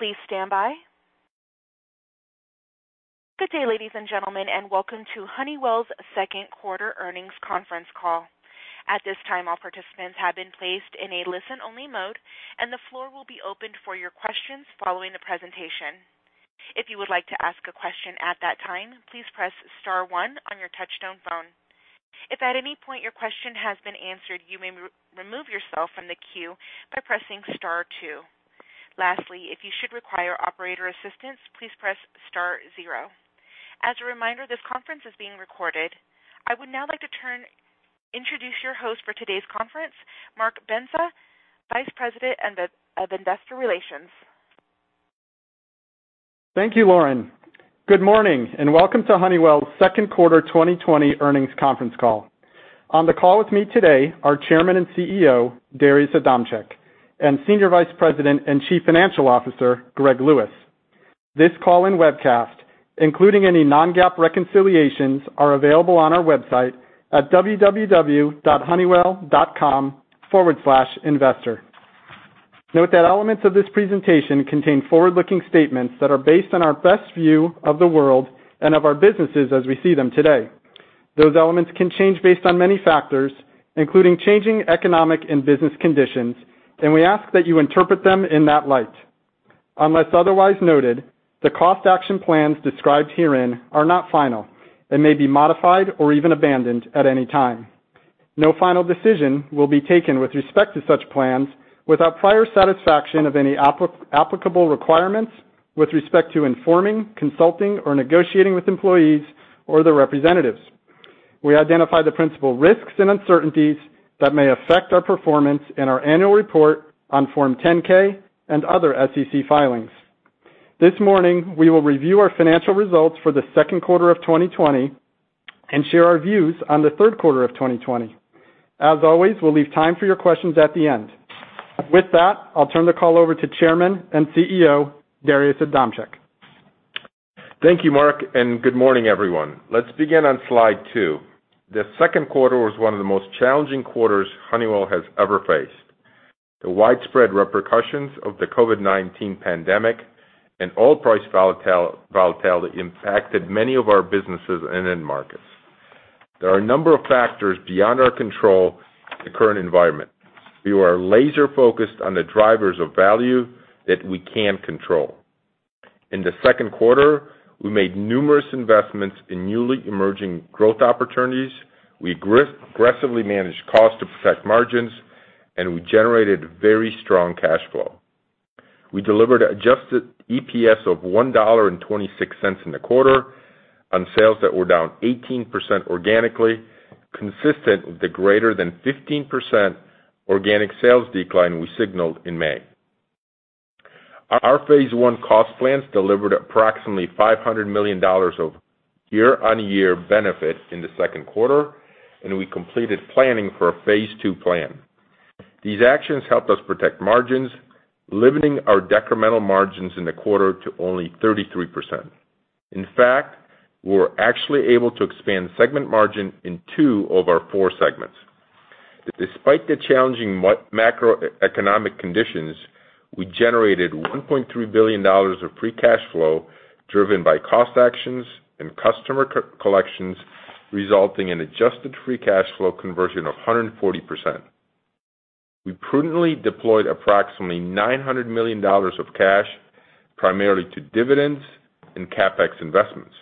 Good day, ladies and gentlemen, and welcome to Honeywell's second quarter earnings conference call. At this time, all participants have been placed in a listen-only mode, and the floor will be opened for your questions following the presentation. If you would like to ask a question at that time, please press star one on your touchtone phone. If at any point your question has been answered, you may remove yourself from the queue by pressing star two. Lastly, if you should require operator assistance, please press star zero. As a reminder, this conference is being recorded. I would now like to introduce your host for today's conference, Mark Bendza, Vice President of Investor Relations. Thank you, Lauren. Good morning, welcome to Honeywell's second quarter 2020 earnings conference call. On the call with me today are Chairman and CEO, Darius Adamczyk, and Senior Vice President and Chief Financial Officer, Greg Lewis. This call and webcast, including any non-GAAP reconciliations, are available on our website at www.honeywell.com/investor. Note that elements of this presentation contain forward-looking statements that are based on our best view of the world and of our businesses as we see them today. Those elements can change based on many factors, including changing economic and business conditions. We ask that you interpret them in that light. Unless otherwise noted, the cost action plans described herein are not final and may be modified or even abandoned at any time. No final decision will be taken with respect to such plans without prior satisfaction of any applicable requirements with respect to informing, consulting, or negotiating with employees or their representatives. We identify the principal risks and uncertainties that may affect our performance in our annual report on Form 10-K and other SEC filings. This morning, we will review our financial results for the second quarter of 2020 and share our views on the third quarter of 2020. As always, we'll leave time for your questions at the end. With that, I'll turn the call over to Chairman and CEO, Darius Adamczyk. Thank you, Mark. Good morning, everyone. Let's begin on Slide two. The second quarter was one of the most challenging quarters Honeywell has ever faced. The widespread repercussions of the COVID-19 pandemic and oil price volatility impacted many of our businesses and end markets. There are a number of factors beyond our control in the current environment. We are laser-focused on the drivers of value that we can control. In the second quarter, we made numerous investments in newly emerging growth opportunities. We aggressively managed cost to protect margins. We generated very strong cash flow. We delivered adjusted EPS of $1.26 in the quarter on sales that were down 18% organically, consistent with the greater than 15% organic sales decline we signaled in May. Our Phase 1 cost plans delivered approximately $500 million of year-on-year benefit in the second quarter, and we completed planning for a Phase 2 plan. These actions helped us protect margins, limiting our decremental margins in the quarter to only 33%. In fact, we were actually able to expand segment margin in two of our four segments. Despite the challenging macroeconomic conditions, we generated $1.3 billion of free cash flow driven by cost actions and customer collections, resulting in adjusted free cash flow conversion of 140%. We prudently deployed approximately $900 million of cash, primarily to dividends and CapEx investments.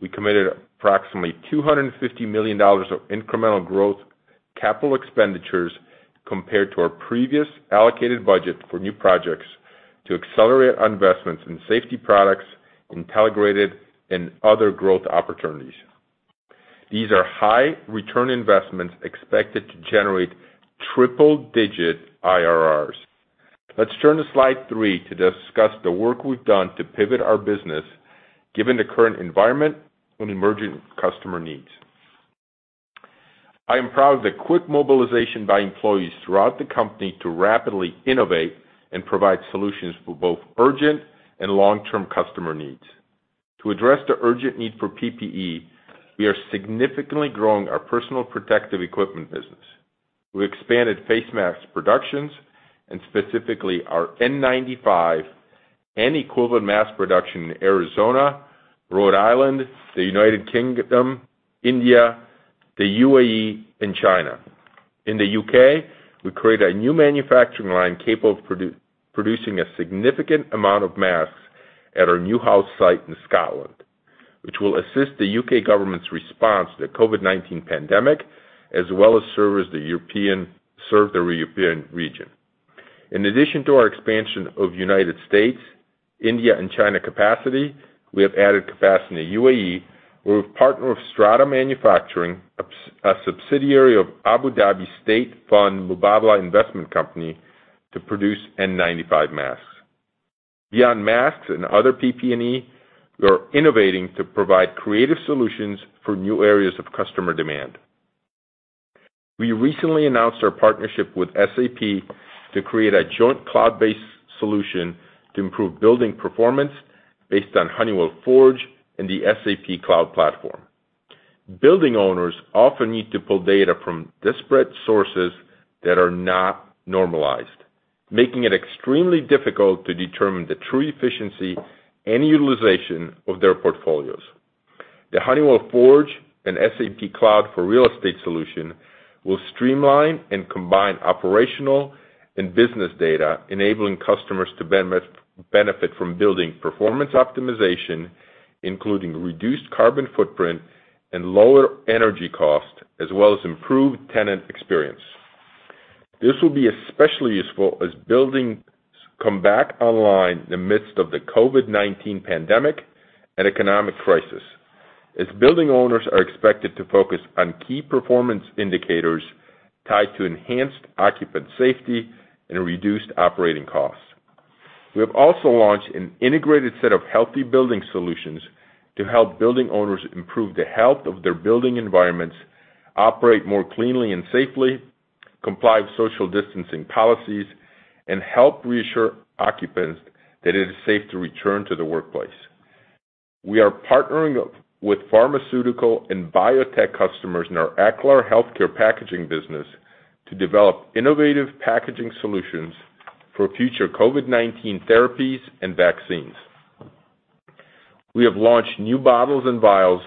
We committed approximately $250 million of incremental growth capital expenditures compared to our previous allocated budget for new projects to accelerate investments in Safety Products, Intelligrated, and other growth opportunities. These are high-return investments expected to generate triple-digit IRRs. Let's turn to Slide three to discuss the work we've done to pivot our business given the current environment and emerging customer needs. I am proud of the quick mobilization by employees throughout the company to rapidly innovate and provide solutions for both urgent and long-term customer needs. To address the urgent need for PPE, we are significantly growing our personal protective equipment business. We expanded face mask productions and specifically our N95 and equivalent mask production in Arizona, Rhode Island, the United Kingdom, India, the UAE, and China. In the U.K., we created a new manufacturing line capable of producing a significant amount of masks at our Newhouse site in Scotland, which will assist the U.K. government's response to the COVID-19 pandemic, as well as serve the European region. In addition to our expansion of the United States, India, and China capacity, we have added capacity in the UAE. We have partnered with Strata Manufacturing, a subsidiary of Abu Dhabi state fund Mubadala Investment Company, to produce N95 masks. Beyond masks and other PPE, we are innovating to provide creative solutions for new areas of customer demand. We recently announced our partnership with SAP to create a joint cloud-based solution to improve building performance based on Honeywell Forge and the SAP Cloud Platform. Building owners often need to pull data from disparate sources that are not normalized, making it extremely difficult to determine the true efficiency and utilization of their portfolios. The Honeywell Forge and SAP Cloud for Real Estate solution will streamline and combine operational and business data, enabling customers to benefit from building performance optimization, including reduced carbon footprint and lower energy cost, as well as improved tenant experience. This will be especially useful as buildings come back online in the midst of the COVID-19 pandemic and economic crisis, as building owners are expected to focus on key performance indicators tied to enhanced occupant safety and reduced operating costs. We have also launched an integrated set of Healthy Buildings Solutions to help building owners improve the health of their building environments, operate more cleanly and safely, comply with social distancing policies, and help reassure occupants that it is safe to return to the workplace. We are partnering with pharmaceutical and biotech customers in our Aclar healthcare packaging business to develop innovative packaging solutions for future COVID-19 therapies and vaccines. We have launched new bottles and vials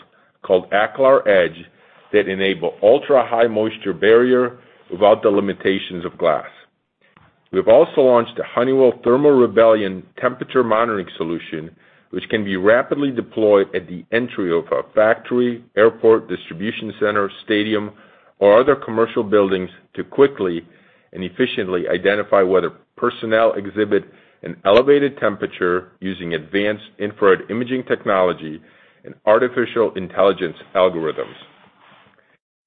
called Aclar Edge that enable an ultra-high moisture barrier without the limitations of glass. We have also launched a Honeywell ThermoRebellion temperature monitoring solution, which can be rapidly deployed at the entry of a factory, airport, distribution center, stadium, or other commercial buildings to quickly and efficiently identify whether personnel exhibit an elevated temperature using advanced infrared imaging technology and artificial intelligence algorithms.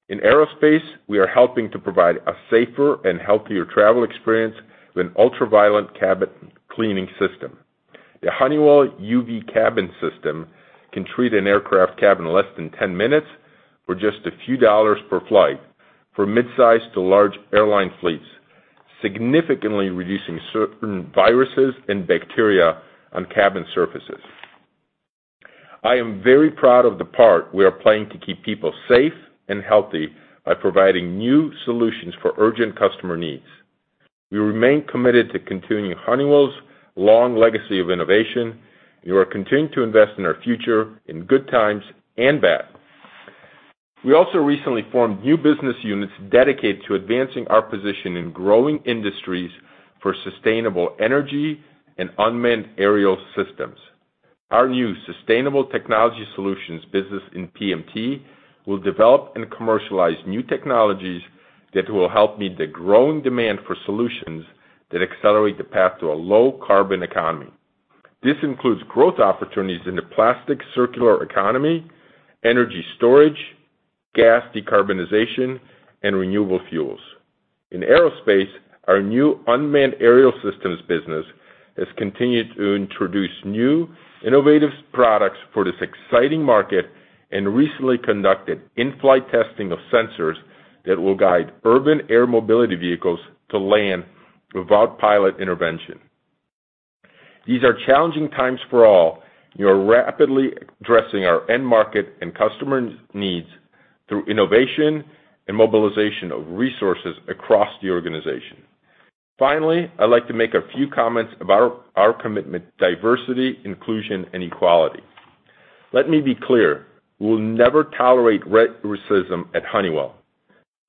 In Aerospace, we are helping to provide a safer and healthier travel experience with an ultraviolet cabin cleaning system. The Honeywell UV Cabin System can treat an aircraft cabin in less than 10 minutes for just a few dollars per flight for mid-size to large airline fleets, significantly reducing certain viruses and bacteria on cabin surfaces. I am very proud of the part we are playing to keep people safe and healthy by providing new solutions for urgent customer needs. We remain committed to continuing Honeywell's long legacy of innovation, and we are continuing to invest in our future in good times and bad. We also recently formed new business units dedicated to advancing our position in growing industries for sustainable energy and unmanned aerial systems. Our new sustainable technology solutions business in PMT will develop and commercialize new technologies that will help meet the growing demand for solutions that accelerate the path to a low-carbon economy. This includes growth opportunities in the plastic circular economy, energy storage, gas decarbonization, and renewable fuels. In Aerospace, our new unmanned aerial systems business has continued to introduce new, innovative products for this exciting market and recently conducted in-flight testing of sensors that will guide urban air mobility vehicles to land without pilot intervention. These are challenging times for all. We are rapidly addressing our end market and customers' needs through innovation and mobilization of resources across the organization. Finally, I'd like to make a few comments about our commitment to diversity, inclusion, and equality. Let me be clear: we will never tolerate racism at Honeywell.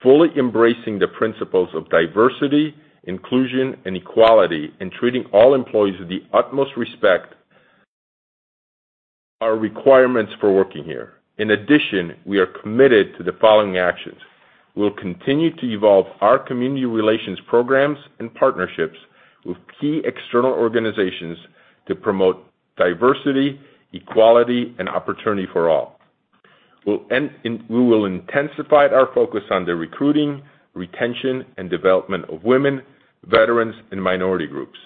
Fully embracing the principles of diversity, inclusion, and equality, and treating all employees with the utmost respect, are requirements for working here. In addition, we are committed to the following actions. We will continue to evolve our community relations programs and partnerships with key external organizations to promote diversity, equality, and opportunity for all. We will intensify our focus on the recruiting, retention, and development of women, veterans, and minority groups,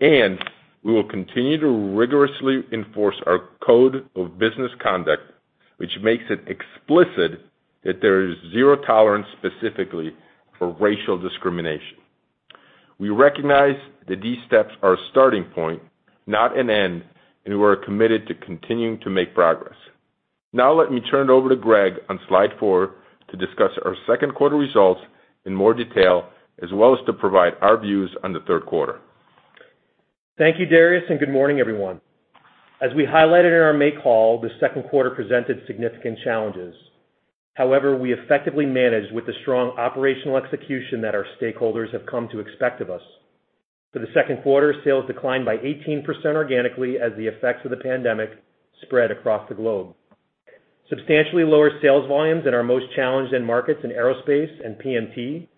and we will continue to rigorously enforce our code of business conduct, which makes it explicit that there is zero tolerance specifically for racial discrimination. We recognize that these steps are a starting point, not an end, and we are committed to continuing to make progress. Now, let me turn it over to Greg on Slide four to discuss our second quarter results in more detail, as well as to provide our views on the third quarter. Thank you, Darius. Good morning, everyone. As we highlighted in our May call, the second quarter presented significant challenges. However, we effectively managed with the strong operational execution that our stakeholders have come to expect of us. For the second quarter, sales declined by 18% organically as the effects of the pandemic spread across the globe. Substantially lower sales volumes in our most challenged end markets in Aerospace and PMT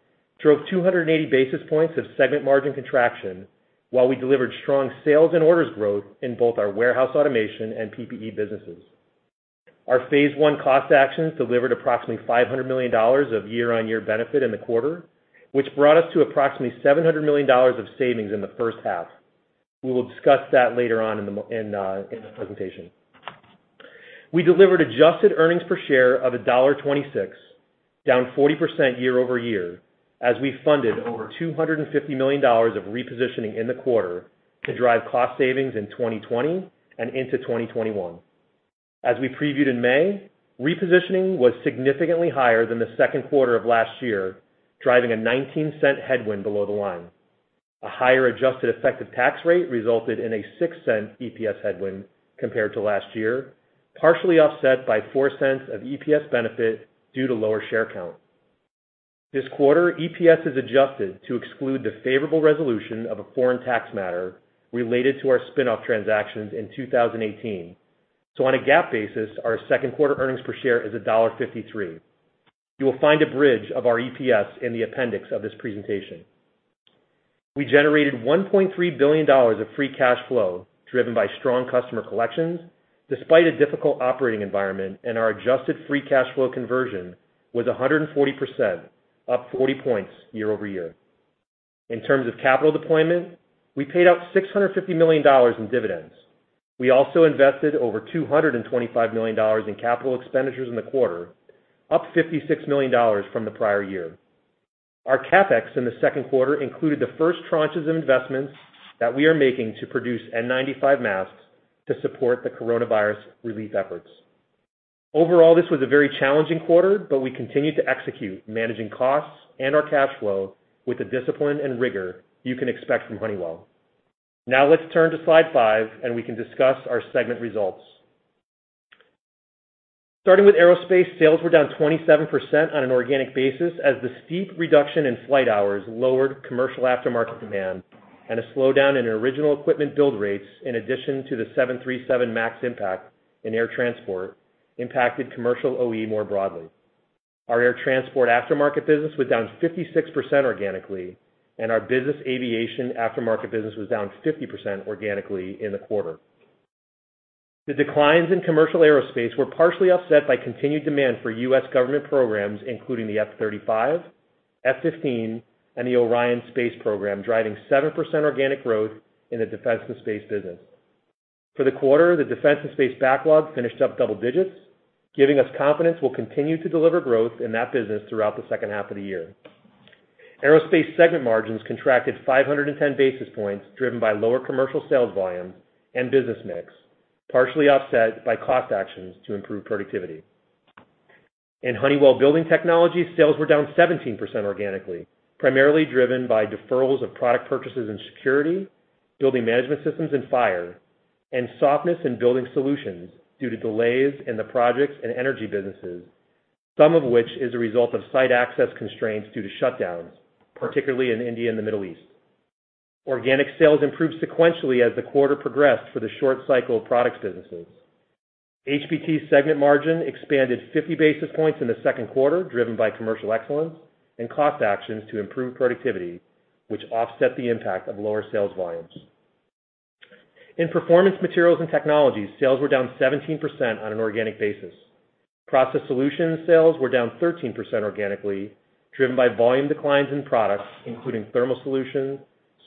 drove 280 basis points of segment margin contraction, while we delivered strong sales and orders growth in both our warehouse automation and PPE businesses. Our Phase 1 cost actions delivered approximately $500 million of year-on-year benefit in the quarter, which brought us to approximately $700 million of savings in the first half. We will discuss that later on in the presentation. We delivered adjusted earnings per share of $1.26, down 40% year-over-year, as we funded over $250 million of repositioning in the quarter to drive cost savings in 2020 and into 2021. As we previewed in May, repositioning was significantly higher than the second quarter of last year, driving a $0.19 headwind below the line. A higher adjusted effective tax rate resulted in a $0.06 EPS headwind compared to last year, partially offset by $0.04 of EPS benefit due to lower share count. This quarter, EPS is adjusted to exclude the favorable resolution of a foreign tax matter related to our spin-off transactions in 2018. On a GAAP basis, our second quarter earnings per share is $1.53. You will find a bridge of our EPS in the appendix of this presentation. We generated $1.3 billion of free cash flow, driven by strong customer collections despite a difficult operating environment, and our adjusted free cash flow conversion was 140%, up 40 points year-over-year. In terms of capital deployment, we paid out $650 million in dividends. We also invested over $225 million in capital expenditures in the quarter, up $56 million from the prior year. Our CapEx in the second quarter included the first tranches of investments that we are making to produce N95 masks to support the coronavirus relief efforts. Overall, this was a very challenging quarter, but we continued to execute, managing costs and our cash flow with the discipline and rigor you can expect from Honeywell. Now let's turn to Slide five, and we can discuss our segment results. Starting with Aerospace, sales were down 27% on an organic basis as the steep reduction in flight hours lowered commercial aftermarket demand and a slowdown in original equipment build rates, in addition to the 737 MAX impact in air transport, impacted commercial OE more broadly. Our air transport aftermarket business was down 56% organically. Our business aviation aftermarket business was down 50% organically in the quarter. The declines in commercial aerospace were partially offset by continued demand for U.S. government programs, including the F-35, F-15, and the Orion space program, driving 7% organic growth in the defense and space business. For the quarter, the defense and space backlog finished up double digits, giving us confidence we'll continue to deliver growth in that business throughout the second half of the year. Aerospace segment margins contracted 510 basis points, driven by lower commercial sales volumes and business mix, partially offset by cost actions to improve productivity. In Honeywell Building Technologies, sales were down 17% organically, primarily driven by deferrals of product purchases and security, building management systems and fire, and softness in building solutions due to delays in the projects and energy businesses, some of which is a result of site access constraints due to shutdowns, particularly in India and the Middle East. Organic sales improved sequentially as the quarter progressed for the short cycle of products businesses. HBT segment margin expanded 50 basis points in the second quarter, driven by commercial excellence and cost actions to improve productivity, which offset the impact of lower sales volumes. In Performance Materials and Technologies, sales were down 17% on an organic basis. Process Solutions sales were down 13% organically, driven by volume declines in products including thermal solutions,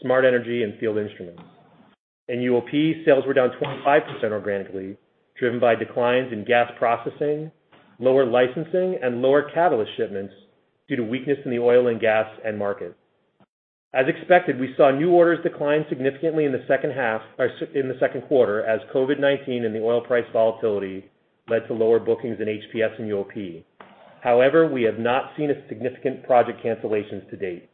smart energy, and field instruments. In UOP, sales were down 25% organically, driven by declines in gas processing, lower licensing, and lower catalyst shipments due to weakness in the oil and gas end market. As expected, we saw new orders decline significantly in the second quarter as COVID-19 and the oil price volatility led to lower bookings in HPS and UOP. We have not seen a significant project cancellations to date.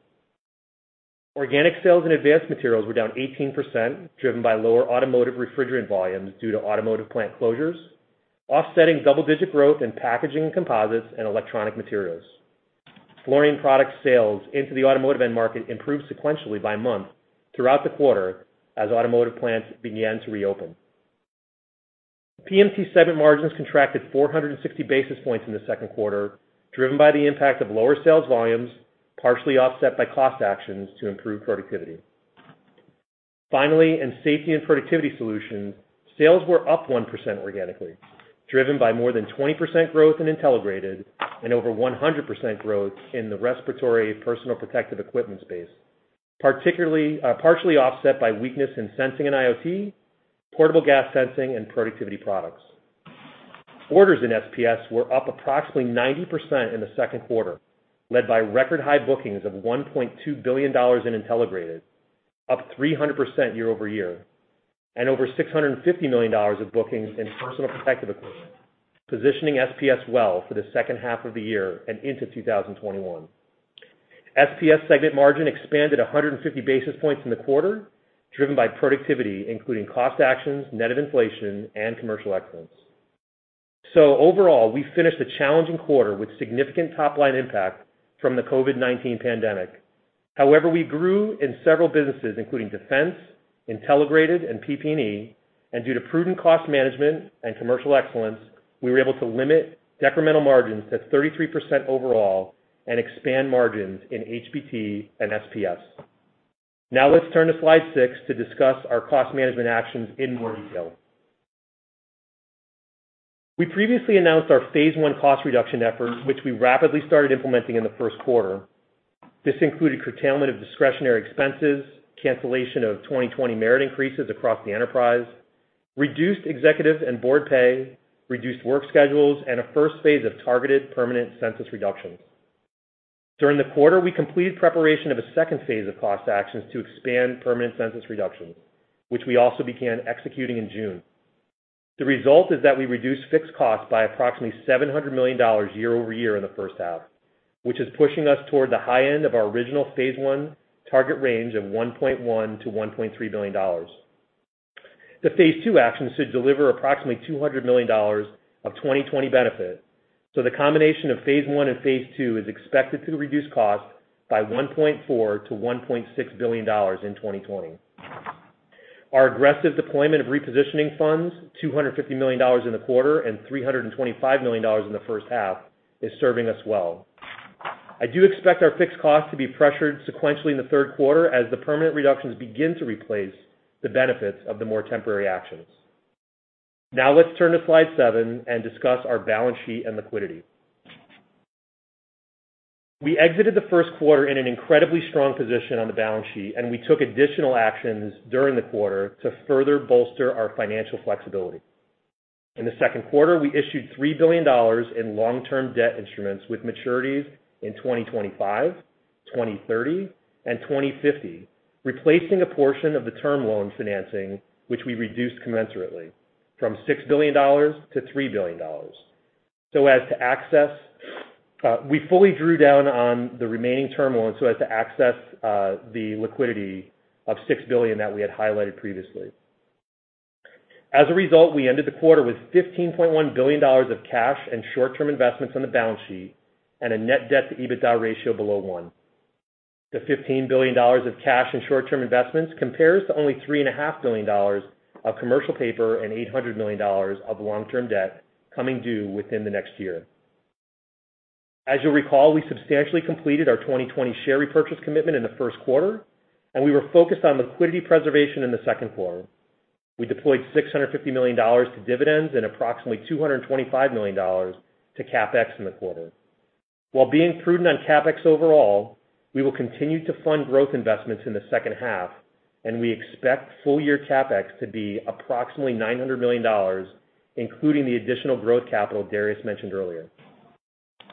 Organic sales in Advanced Materials were down 18%, driven by lower automotive refrigerant volumes due to automotive plant closures, offsetting double-digit growth in packaging composites and electronic materials. Fluorine products sales into the automotive end market improved sequentially by month throughout the quarter as automotive plants began to reopen. PMT segment margins contracted 460 basis points in the second quarter, driven by the impact of lower sales volumes, partially offset by cost actions to improve productivity. Finally, in Safety and Productivity Solutions, sales were up 1% organically, driven by more than 20% growth in Intelligrated and over 100% growth in the respiratory personal protective equipment space, partially offset by weakness in sensing and IoT, portable gas sensing, and productivity products. Orders in SPS were up approximately 90% in the second quarter, led by record high bookings of $1.2 billion in Intelligrated, up 300% year-over-year, and over $650 million of bookings in personal protective equipment, positioning SPS well for the second half of the year and into 2021. SPS segment margin expanded 150 basis points in the quarter, driven by productivity, including cost actions, net of inflation, and commercial excellence. Overall, we finished a challenging quarter with significant top-line impact from the COVID-19 pandemic. However, we grew in several businesses, including defense, Intelligrated, and PPE, and due to prudent cost management and commercial excellence, we were able to limit decremental margins to 33% overall and expand margins in HBT and SPS. Now let's turn to Slide six to discuss our cost management actions in more detail. We previously announced our Phase 1 cost reduction efforts, which we rapidly started implementing in the first quarter. This included curtailment of discretionary expenses, cancellation of 2020 merit increases across the enterprise, reduced executive and board pay, reduced work schedules, and a first phase of targeted permanent census reductions. During the quarter, we completed preparation of a second phase of cost actions to expand permanent census reductions, which we also began executing in June. The result is that we reduced fixed costs by approximately $700 million year-over-year in the first half, which is pushing us toward the high end of our original Phase 1 target range of $1.1 billion-$1.3 billion. The Phase 2 actions should deliver approximately $200 million of 2020 benefit. The combination of Phase 1 and Phase 2 is expected to reduce cost by $1.4 billion-$1.6 billion in 2020. Our aggressive deployment of repositioning funds, $250 million in the quarter and $325 million in the first half, is serving us well. I do expect our fixed costs to be pressured sequentially in the third quarter as the permanent reductions begin to replace the benefits of the more temporary actions. Now let's turn to Slide seven and discuss our balance sheet and liquidity. We exited the first quarter in an incredibly strong position on the balance sheet, and we took additional actions during the quarter to further bolster our financial flexibility. In the second quarter, we issued $3 billion in long-term debt instruments with maturities in 2025, 2030, and 2050, replacing a portion of the term loan financing, which we reduced commensurately from $6 billion-$3 billion. We fully drew down on the remaining term loan so as to access the liquidity of $6 billion that we had highlighted previously. As a result, we ended the quarter with $15.1 billion of cash and short-term investments on the balance sheet and a net debt to EBITDA ratio below one. The $15 billion of cash and short-term investments compares to only $3.5 billion of commercial paper and $800 million of long-term debt coming due within the next year. As you'll recall, we substantially completed our 2020 share repurchase commitment in the first quarter, and we were focused on liquidity preservation in the second quarter. We deployed $650 million to dividends and approximately $225 million to CapEx in the quarter. While being prudent on CapEx overall, we will continue to fund growth investments in the second half, and we expect full year CapEx to be approximately $900 million, including the additional growth capital Darius mentioned earlier.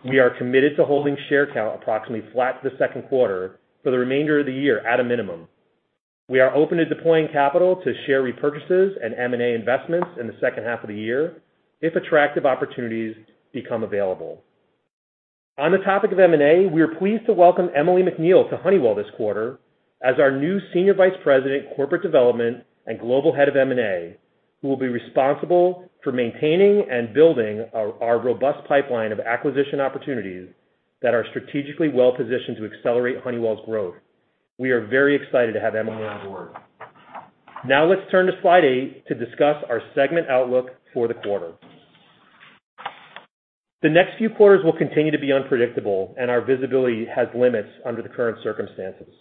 We are committed to holding share count approximately flat the second quarter for the remainder of the year at a minimum. We are open to deploying capital to share repurchases and M&A investments in the second half of the year, if attractive opportunities become available. On the topic of M&A, we are pleased to welcome Emily McNeal to Honeywell this quarter as our new Senior Vice President, Corporate Development and Global Head of M&A, who will be responsible for maintaining and building our robust pipeline of acquisition opportunities that are strategically well positioned to accelerate Honeywell's growth. We are very excited to have Emily on board. Now let's turn to Slide eight to discuss our segment outlook for the quarter. The next few quarters will continue to be unpredictable, and our visibility has limits under the current circumstances.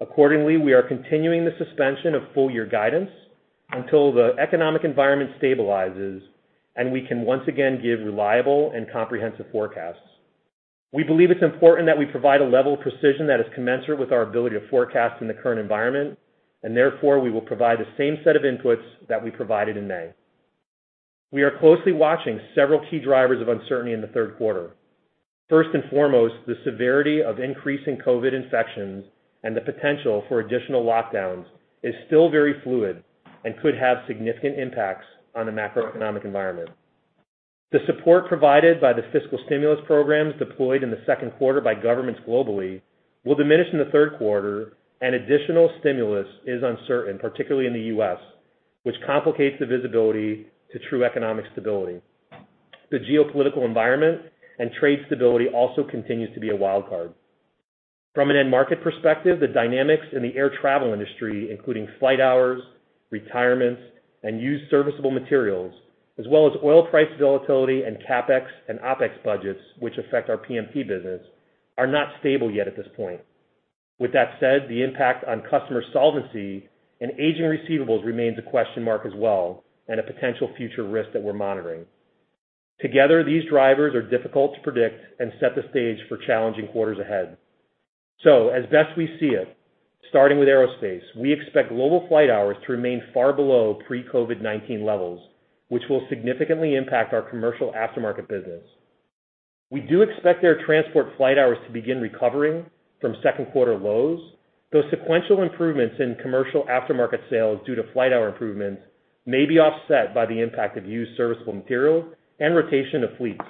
Accordingly, we are continuing the suspension of full-year guidance until the economic environment stabilizes and we can once again give reliable and comprehensive forecasts. We believe it's important that we provide a level of precision that is commensurate with our ability to forecast in the current environment, and therefore, we will provide the same set of inputs that we provided in May. We are closely watching several key drivers of uncertainty in the third quarter. First and foremost, the severity of increasing COVID-19 infections and the potential for additional lockdowns is still very fluid and could have significant impacts on the macroeconomic environment. The support provided by the fiscal stimulus programs deployed in the second quarter by governments globally will diminish in the third quarter, and additional stimulus is uncertain, particularly in the U.S., which complicates the visibility to true economic stability. The geopolitical environment and trade stability also continues to be a wild card. From an end market perspective, the dynamics in the air travel industry, including flight hours, retirements, and used serviceable materials, as well as oil price volatility and CapEx and OpEx budgets, which affect our PMT business, are not stable yet at this point. With that said, the impact on customer solvency and aging receivables remains a question mark as well, and a potential future risk that we're monitoring. Together, these drivers are difficult to predict and set the stage for challenging quarters ahead. As best we see it, starting with Aerospace, we expect global flight hours to remain far below pre-COVID-19 levels, which will significantly impact our commercial aftermarket business. We do expect air transport flight hours to begin recovering from second-quarter lows, though sequential improvements in commercial aftermarket sales due to flight hour improvements may be offset by the impact of used serviceable material and rotation of fleets.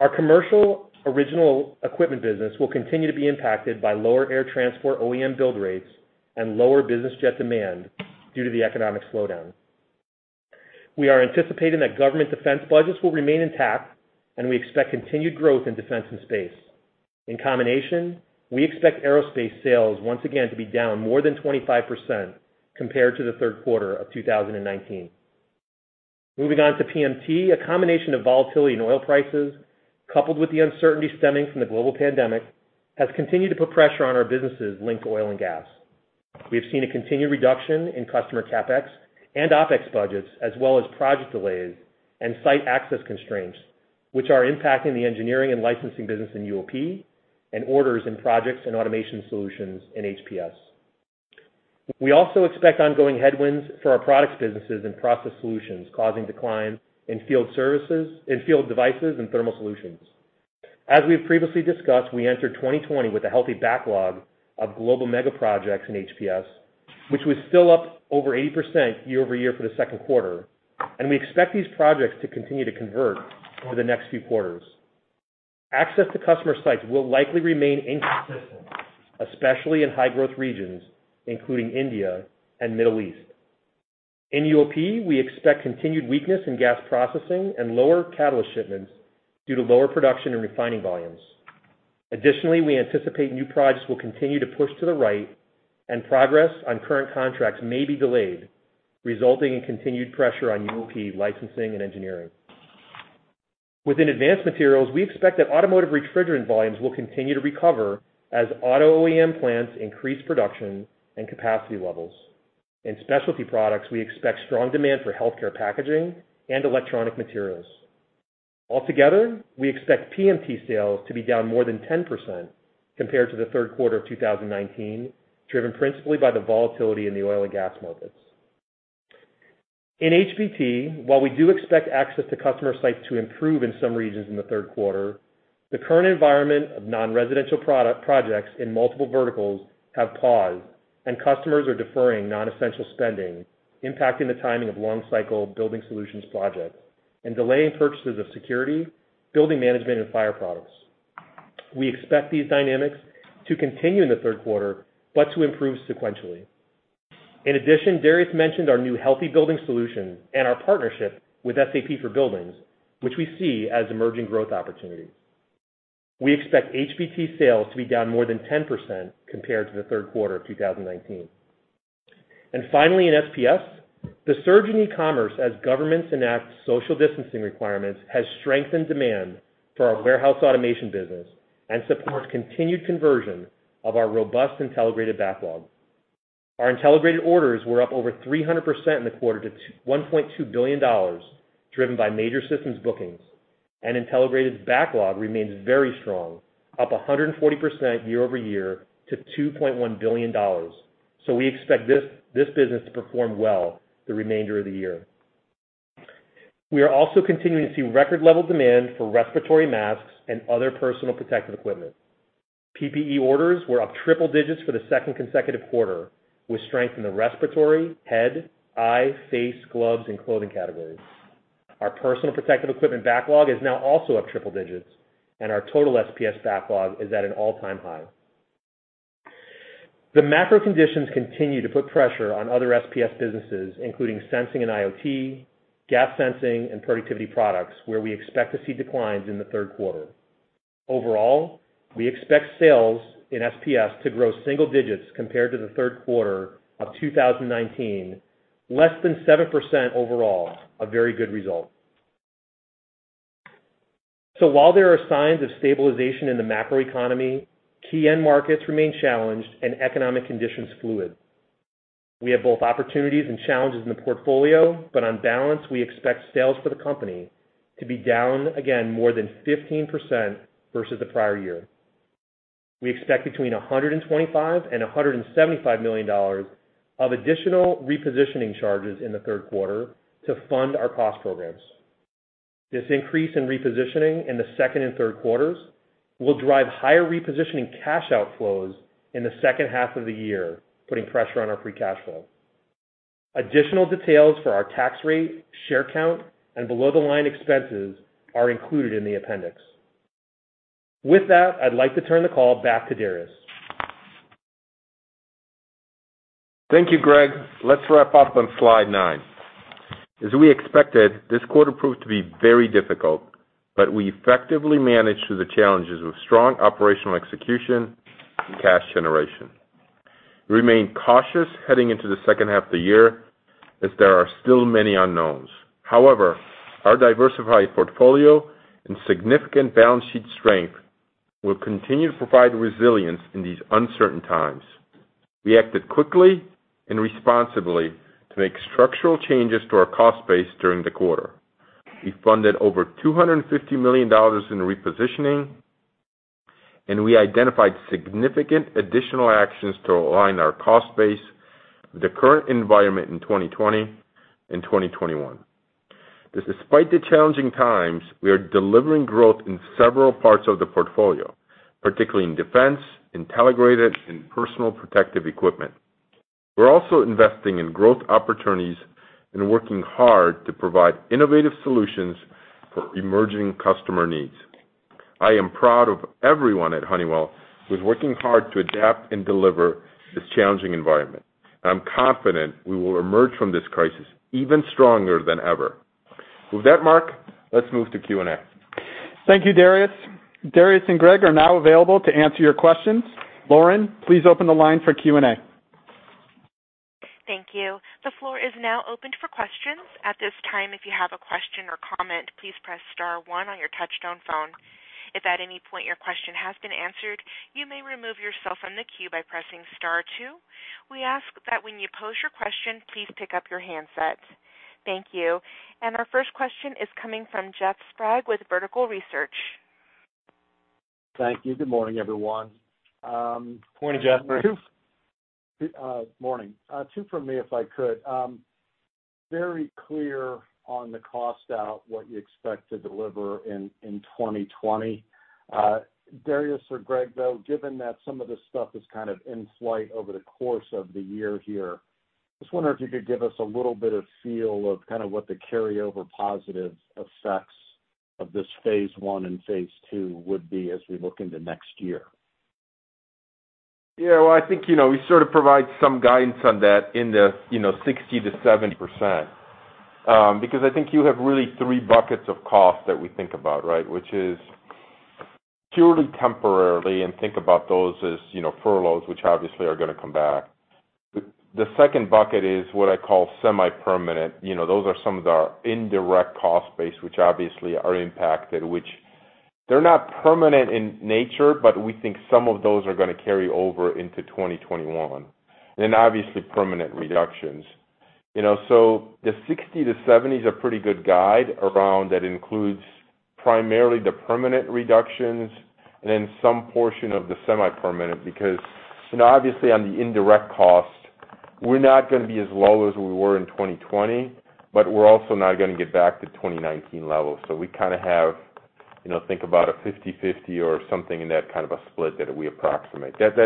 Our commercial original equipment business will continue to be impacted by lower air transport OEM build rates and lower business jet demand due to the economic slowdown. We are anticipating that government defense budgets will remain intact, and we expect continued growth in defense and space. In combination, we expect Aerospace sales once again to be down more than 25% compared to the third quarter of 2019. Moving on to PMT, a combination of volatility in oil prices, coupled with the uncertainty stemming from the global pandemic, has continued to put pressure on our businesses linked to oil and gas. We have seen a continued reduction in customer CapEx and OpEx budgets, as well as project delays and site access constraints, which are impacting the engineering and licensing business in UOP and orders in projects and automation solutions in HPS. We also expect ongoing headwinds for our products, businesses, and process solutions, causing declines in field services, in field devices, and thermal solutions. As we have previously discussed, we entered 2020 with a healthy backlog of global mega projects in HPS, which was still up over 80% year-over-year for the second quarter, and we expect these projects to continue to convert over the next few quarters. Access to customer sites will likely remain inconsistent, especially in high growth regions including India and Middle East. In UOP, we expect continued weakness in gas processing and lower catalyst shipments due to lower production and refining volumes. We anticipate new projects will continue to push to the right, and progress on current contracts may be delayed, resulting in continued pressure on UOP licensing and engineering. Within advanced materials, we expect that automotive refrigerant volumes will continue to recover as auto OEM plants increase production and capacity levels. In specialty products, we expect strong demand for healthcare packaging and electronic materials. Altogether, we expect PMT sales to be down more than 10% compared to the third quarter of 2019, driven principally by the volatility in the oil and gas markets. In HPT, while we do expect access to customer sites to improve in some regions in the third quarter, the current environment of non-residential projects in multiple verticals have paused, and customers are deferring non-essential spending, impacting the timing of long-cycle building solutions projects and delaying purchases of security, building management, and fire products. We expect these dynamics to continue in the third quarter but to improve sequentially. In addition, Darius mentioned our new Healthy Buildings Solution and our partnership with SAP for buildings, which we see as emerging growth opportunities. We expect HBT sales to be down more than 10% compared to the third quarter of 2019. Finally, in SPS, the surge in e-commerce as governments enact social distancing requirements has strengthened demand for our warehouse automation business and supports continued conversion of our robust Intelligrated backlog. Our Intelligrated orders were up over 300% in the quarter to $1.2 billion, driven by major systems bookings. Intelligrated's backlog remains very strong, up 140% year-over-year to $2.1 billion. We expect this business to perform well, the remainder of the year. We are also continuing to see record-level demand for respiratory masks and other personal protective equipment. PPE orders were up triple digits for the second consecutive quarter, with strength in the respiratory, head, eye, face, gloves, and clothing categories. Our personal protective equipment backlog is now also up triple digits. Our total SPS backlog is at an all-time high. The macro conditions continue to put pressure on other SPS businesses, including sensing and IoT, gas sensing, and productivity products, where we expect to see declines in the third quarter. Overall, we expect sales in SPS to grow single digits compared to the third quarter of 2019, less than 7% overall, a very good result. While there are signs of stabilization in the macroeconomy, key end markets remain challenged, and economic conditions fluid. We have both opportunities and challenges in the portfolio, on balance, we expect sales for the company to be down again more than 15% versus the prior year. We expect between $125 million-$175 million of additional repositioning charges in the third quarter to fund our cost programs. This increase in repositioning in the second and third quarters will drive higher repositioning cash outflows in the second half of the year, putting pressure on our free cash flow. Additional details for our tax rate, share count, and below-the-line expenses are included in the appendix. With that, I'd like to turn the call back to Darius. Thank you, Greg. Let's wrap up on Slide nine. As we expected, this quarter proved to be very difficult, but we effectively managed through the challenges with strong operational execution and cash generation. We remain cautious heading into the second half of the year, as there are still many unknowns. However, our diversified portfolio and significant balance sheet strength will continue to provide resilience in these uncertain times. We acted quickly and responsibly to make structural changes to our cost base during the quarter. We funded over $250 million in repositioning, and we identified significant additional actions to align our cost base with the current environment in 2020 and 2021. Despite the challenging times, we are delivering growth in several parts of the portfolio, particularly in defense, Intelligrated, and personal protective equipment. We're also investing in growth opportunities and working hard to provide innovative solutions for emerging customer needs. I am proud of everyone at Honeywell who is working hard to adapt and deliver this challenging environment. I'm confident we will emerge from this crisis even stronger than ever. With that, Mark, let's move to Q&A. Thank you, Darius. Darius and Greg are now available to answer your questions. Lauren, please open the line for Q&A. Thank you. The floor is now open for questions. At this time, if you have a question or comment, please press star one on your touch-tone phone. If at any point your question has been answered, you may remove yourself from the queue by pressing star two. We ask that when you pose your question, please pick up your handset. Thank you. Our first question is coming from Jeff Sprague with Vertical Research. Thank you. Good morning, everyone. Morning, Jeff. Morning. Two from me, if I could. Very clear on the cost out, what you expect to deliver in 2020. Darius or Greg, though, given that some of this stuff is kind of in flight over the course of the year here, just wonder if you could give us a little bit of feel of kind of what the carryover positive effects of this Phase 1 and Phase 2 would be as we look into next year. Yeah. Well, I think, we sort of provide some guidance on that in the 60%-70%. I think you have really three buckets of cost that we think about, right? Is purely temporary, and think about those as furloughs, which obviously are going to come back. The second bucket is what I call semi-permanent. Those are some of our indirect cost base, which obviously are impacted, which they're not permanent in nature, but we think some of those are going to carry over into 2021, and then obviously permanent reductions. The 60%-70% is a pretty good guide around that includes primarily the permanent reductions and then some portion of the semi-permanent. Obviously on the indirect costs, we're not going to be as low as we were in 2020, but we're also not going to get back to 2019 levels. We kind of have, think about a 50/50 or something in that kind of a split that we approximate. That's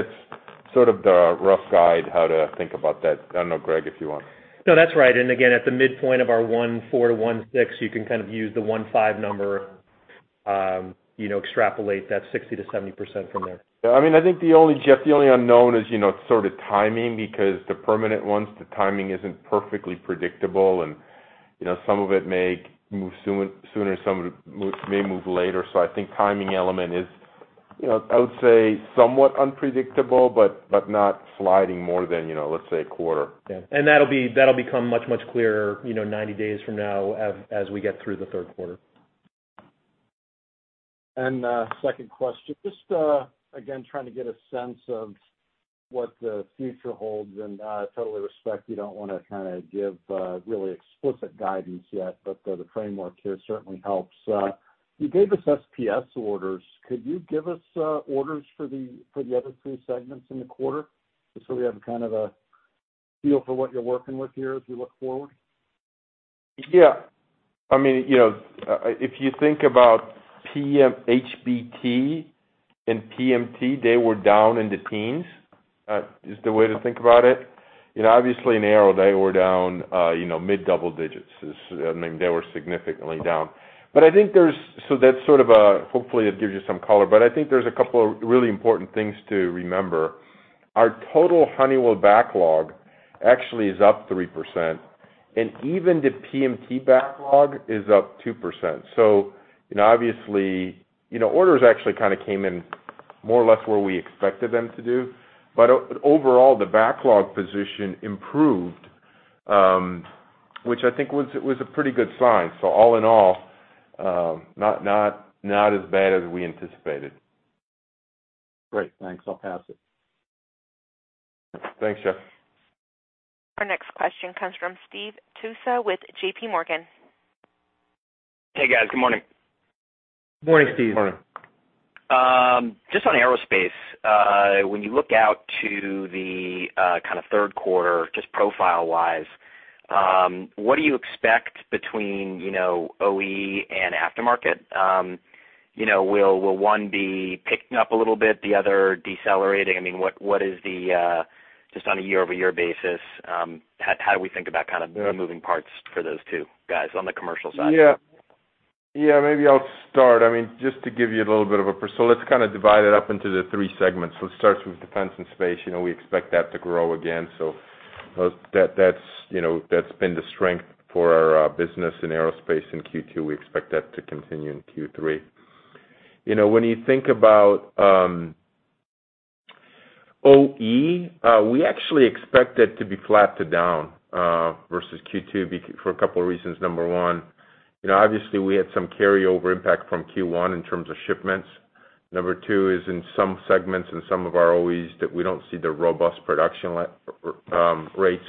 sort of the rough guide how to think about that. I don't know, Greg, if you want. No, that's right. Again, at the midpoint of our $1.4 billion-$1.6 billion, you can kind of use the $1.5 billion number, extrapolate that 60%-70% from there. Yeah, I think, Jeff, the only unknown is sort of timing, because the permanent ones, the timing isn't perfectly predictable, and some of it may move sooner, some may move later. I think timing element is, I would say somewhat unpredictable, but not sliding more than, let's say, a quarter. Yeah. That'll become much clearer 90 days from now, as we get through the third quarter. Second question, just again, trying to get a sense of what the future holds, and I totally respect you don't want to kind of give really explicit guidance yet, but the framework here certainly helps. You gave us SPS orders. Could you give us orders for the other three segments in the quarter, just so we have kind of a feel for what you're working with here as we look forward? Yeah. If you think about HBT and PMT, they were down in the teens, is the way to think about it. Obviously in Aero, they were down mid double digits. They were significantly down. Hopefully it gives you some color. I think there's a couple of really important things to remember. Our total Honeywell backlog actually is up 3%, and even the PMT backlog is up 2%. Obviously, orders actually kind of came in more or less where we expected them to do. Overall, the backlog position improved, which I think was a pretty good sign. All in all, not as bad as we anticipated. Great. Thanks. I'll pass it. Thanks, Jeff. Our next question comes from Steve Tusa with JPMorgan. Hey, guys. Good morning. Morning, Steve. Morning. Just on Aerospace. When you look out to the kind of third quarter, just profile wise, what do you expect between OE and aftermarket? Will one be picking up a little bit, the other decelerating? Just on a year-over-year basis, how do we think about kind of the moving parts for those two guys on the commercial side? Yeah. Maybe I'll start. I mean, just to give you a little bit of a- Let's kind of divide it up into the three segments. Let's start with Defense and Space. We expect that to grow again. That's been the strength for our business in Aerospace in Q2. We expect that to continue in Q3. When you think about OE, we actually expect it to be flat to down versus Q2, for a couple of reasons. Number one, obviously we had some carryover impact from Q1 in terms of shipments. Number two is in some segments, in some of our OEs, that we don't see the robust production rates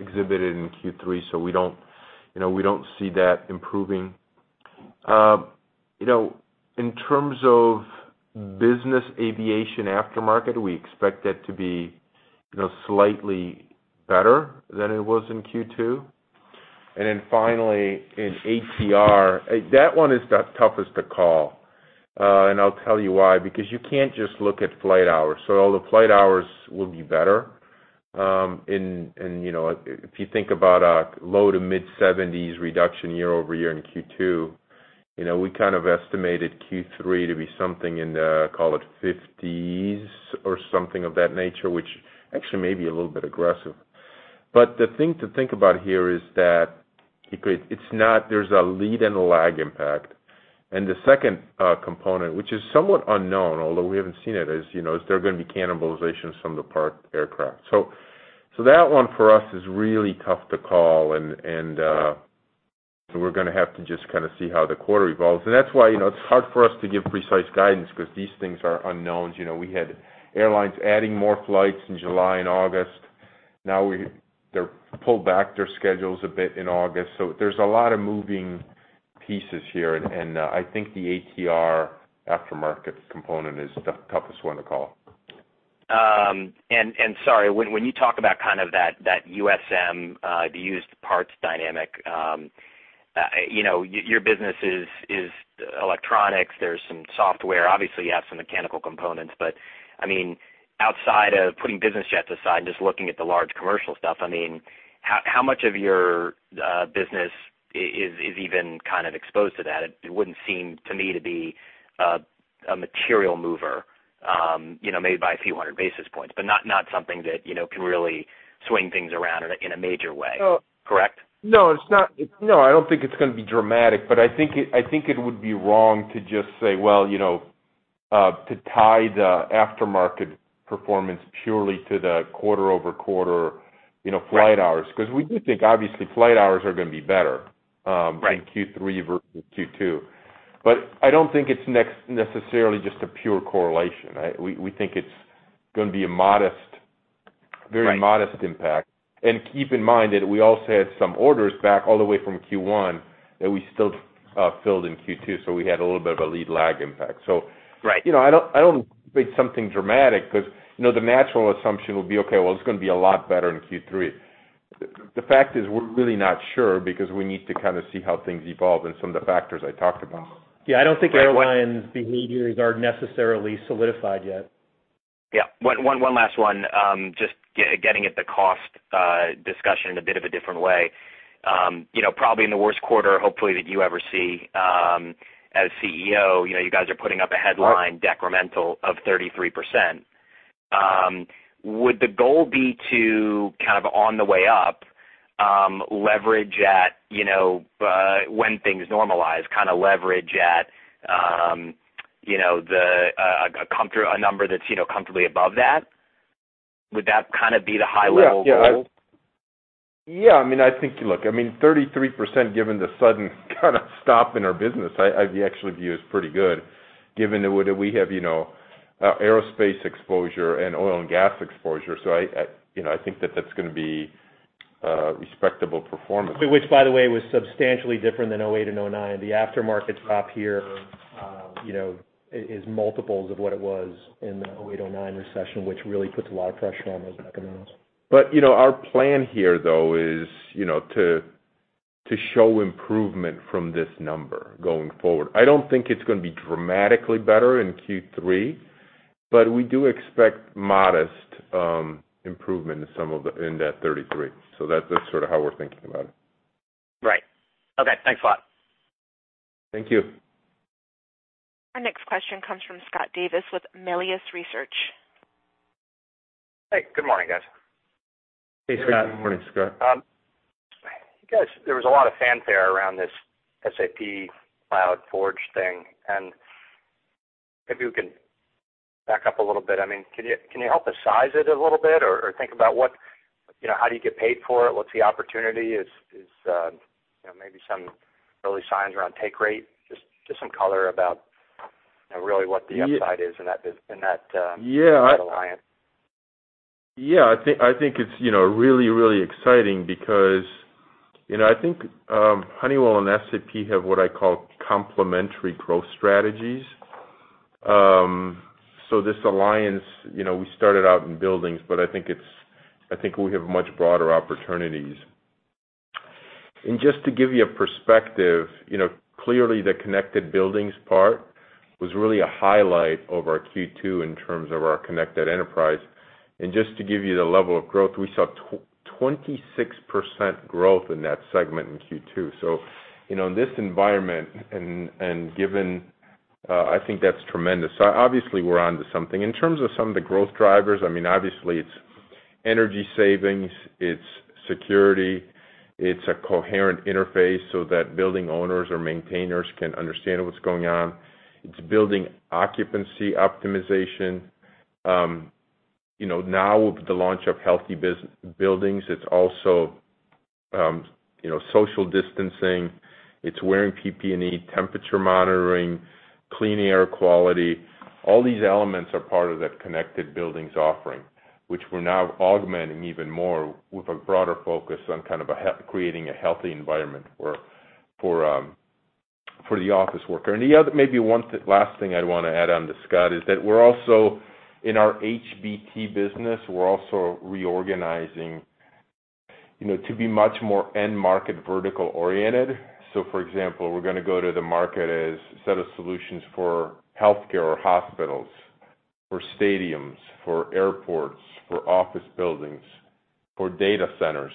exhibited in Q3. We don't see that improving. You know, in terms of business aviation aftermarket, we expect that to be slightly better than it was in Q2. Finally, in ATR, that one is the toughest to call, and I'll tell you why, because you can't just look at flight hours. Although flight hours will be better, and if you think about a low to mid 70s reduction year-over-year in Q2, we kind of estimated Q3 to be something in the, call it 50s or something of that nature, which actually may be a little bit aggressive. The thing to think about here is that there's a lead and a lag impact. The second component, which is somewhat unknown, although we haven't seen it, is there are going to be cannibalizations from the parked aircraft. That one for us is really tough to call, and we're going to have to just kind of see how the quarter evolves. That's why it's hard for us to give precise guidance, because these things are unknowns. We had airlines adding more flights in July and August. They've pulled back their schedules a bit in August. There's a lot of moving pieces here, and I think the ATR aftermarket component is the toughest one to call. Sorry, when you talk about kind of that USM, the used parts dynamic, your business is electronics. There's some software. Obviously, you have some mechanical components. But, I mean outside of putting business jets aside and just looking at the large commercial stuff, how much of your business is even kind of exposed to that? It wouldn't seem to me to be a material mover, maybe by a few 100 basis points, but not something that can really swing things around in a major way. Correct? No, I don't think it's going to be dramatic, but I think it would be wrong to just say, well, to tie the aftermarket performance purely to the quarter-over-quarter flight hours. We do think, obviously, flight hours are going to be better. Right in Q3 versus Q2. I don't think it's necessarily just a pure correlation. We think it's going to be a very modest impact. Keep in mind that we also had some orders back all the way from Q1 that we still filled in Q2, so we had a little bit of a lead lag impact. Right I don't think it's something dramatic because the natural assumption would be, "Okay, well, it's going to be a lot better in Q3." The fact is we're really not sure because we need to kind of see how things evolve and some of the factors I talked about. Yeah, I don't think airlines' behaviors are necessarily solidified yet. Yeah. One last one. Just getting at the cost discussion in a bit of a different way. Probably in the worst quarter, hopefully, that you ever see as CEO, you guys are putting up a headline decremental of 33%. Would the goal be to kind of on the way up, leverage at, you know, when things normalize, kind of leverage at, you know, a number that's comfortably above that? Would that kind of be the high level goal? Yeah. I think, look, 33%, given the sudden kind of stop in our business, I actually view as pretty good given that we have aerospace exposure and oil and gas exposure. I think that that's going to be a respectable performance. Which by the way, was substantially different than 2008 to 2009. The aftermarket drop here is multiples of what it was in the 2008, 2009 recession, which really puts a lot of pressure on those mechanisms. You know, our plan here, though, is to show improvement from this number going forward. I don't think it's going to be dramatically better in Q3, but we do expect modest improvement in that 33. That's sort of how we're thinking about it. Right. Okay. Thanks a lot. Thank you. Our next question comes from Scott Davis with Melius Research. Hey. Good morning, guys. Hey, Scott. Good morning, Scott. You guys, there was a lot of fanfare around this SAP Cloud Forge thing. Maybe we can back up a little bit. Can you help us size it a little bit, or think about how do you get paid for it? What's the opportunity? Maybe some early signs around take rate, just some color about really what the upside is in that alliance. Yeah, I think it's really, really exciting because I think Honeywell and SAP have what I call complementary growth strategies. This alliance, we started out in buildings, but I think we have much broader opportunities. Just to give you a perspective, clearly the connected buildings part was really a highlight of our Q2 in terms of our connected enterprise. Just to give you the level of growth, we saw 26% growth in that segment in Q2. In this environment, I think that's tremendous. Obviously, we're onto something. In terms of some of the growth drivers, obviously it's energy savings, it's security, it's a coherent interface so that building owners or maintainers can understand what's going on. It's building occupancy optimization. Now with the launch of Healthy Buildings, it's also social distancing. It's wearing PPE, temperature monitoring, clean air quality. All these elements are part of that connected buildings offering, which we're now augmenting even more with a broader focus on kind of creating a healthy environment for the office worker. Maybe one last thing I'd want to add on to, Scott, is that in our HBT business, we're also reorganizing to be much more end-market, vertical-oriented. For example, we're going to go to the market as set of solutions for healthcare or hospitals, for stadiums, for airports, for office buildings, for data centers.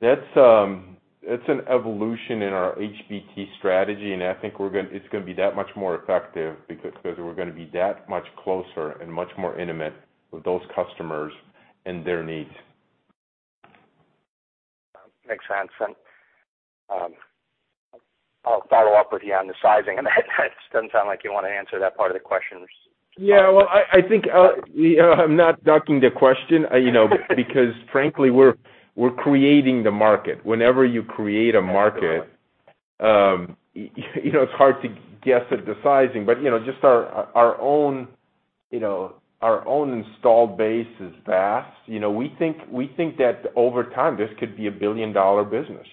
That's an evolution in our HBT strategy, and I think it's going to be that much more effective because we're going to be that much closer and much more intimate with those customers and their needs. Makes sense. I'll follow up with you on the sizing it doesn't sound like you want to answer that part of the question. Yeah. Well, I think I'm not ducking the question, because frankly, we're creating the market. Whenever you create a market, it's hard to guess at the sizing. Just our own installed base is vast. We think that over time, this could be a billion-dollar business.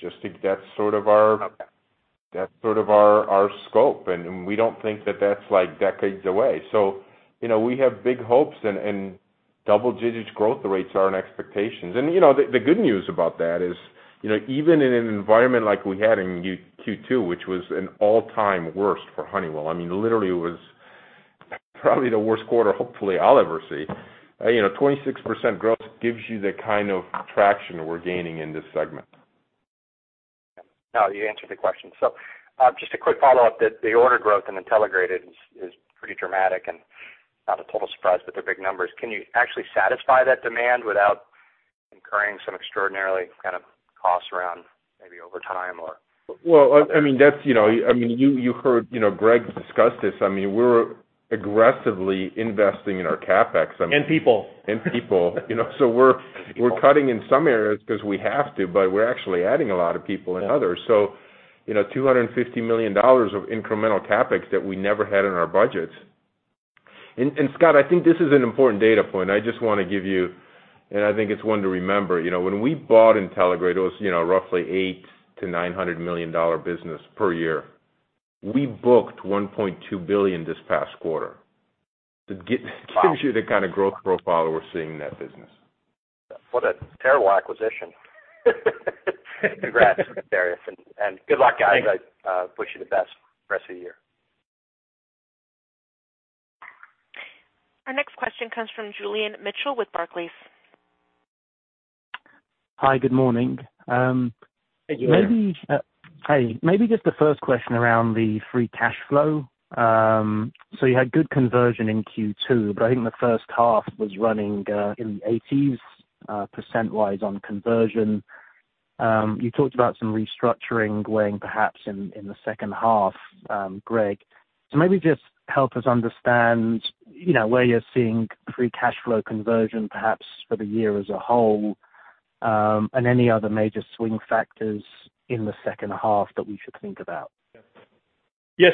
That's sort of our scope, and we don't think that's decades away. We have big hopes, and double-digit growth rates are in our expectations. The good news about that is, even in an environment like we had in Q2, which was an all-time worst for Honeywell, I mean, literally, it was probably the worst quarter, hopefully, I'll ever see. 26% growth gives you the kind of traction we're gaining in this segment. No, you answered the question. Just a quick follow-up, the order growth in Intelligrated is pretty dramatic, and not a total surprise that they're big numbers. Can you actually satisfy that demand without incurring some extraordinary kind of costs around maybe over time? Well, you heard Greg discuss this. We're aggressively investing in our CapEx. And people. People, we're cutting in some areas because we have to, but we're actually adding a lot of people in others. $250 million of incremental CapEx that we never had in our budgets. Scott, I think this is an important data point. I just want to give you, and I think it's one to remember. When we bought Intelligrated, it was roughly $800 million-$900 million business per year. We booked $1.2 billion this past quarter. Wow. It gives you the kind of growth profile we're seeing in that business. What a terrible acquisition. Congrats, Darius, and good luck, guys. Thank you. I wish you the best rest of the year. Our next question comes from Julian Mitchell with Barclays. Hi, good morning. Hey, Julian. Hey. Maybe just the first question around the free cash flow. You had good conversion in Q2, but I think the first half was running in the 80s, percent-wise on conversion. You talked about some restructuring going perhaps in the second half, Greg. Maybe just help us understand where you're seeing free cash flow conversion, perhaps for the year as a whole, and any other major swing factors in the second half that we should think about. Yeah.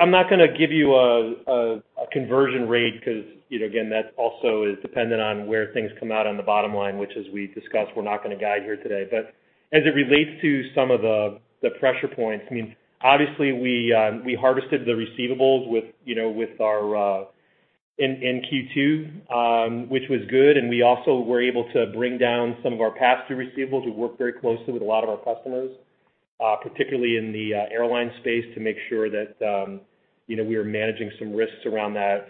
I'm not going to give you a conversion rate because, again, that also is dependent on where things come out on the bottom line, which as we discussed, we're not going to guide here today. As it relates to some of the pressure points, obviously, we harvested the receivables in Q2, which was good, and we also were able to bring down some of our past due receivables. We worked very closely with a lot of our customers, particularly in the airline space, to make sure that we are managing some risks around that.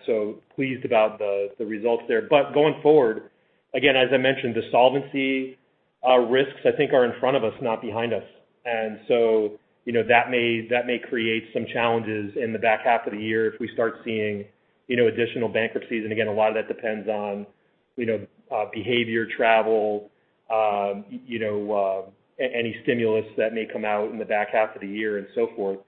Pleased about the results there. Going forward, again, as I mentioned, the solvency risks, I think, are in front of us, not behind us. That may create some challenges in the back half of the year if we start seeing additional bankruptcies. Again, a lot of that depends on behavior, travel, any stimulus that may come out in the back half of the year, and so forth.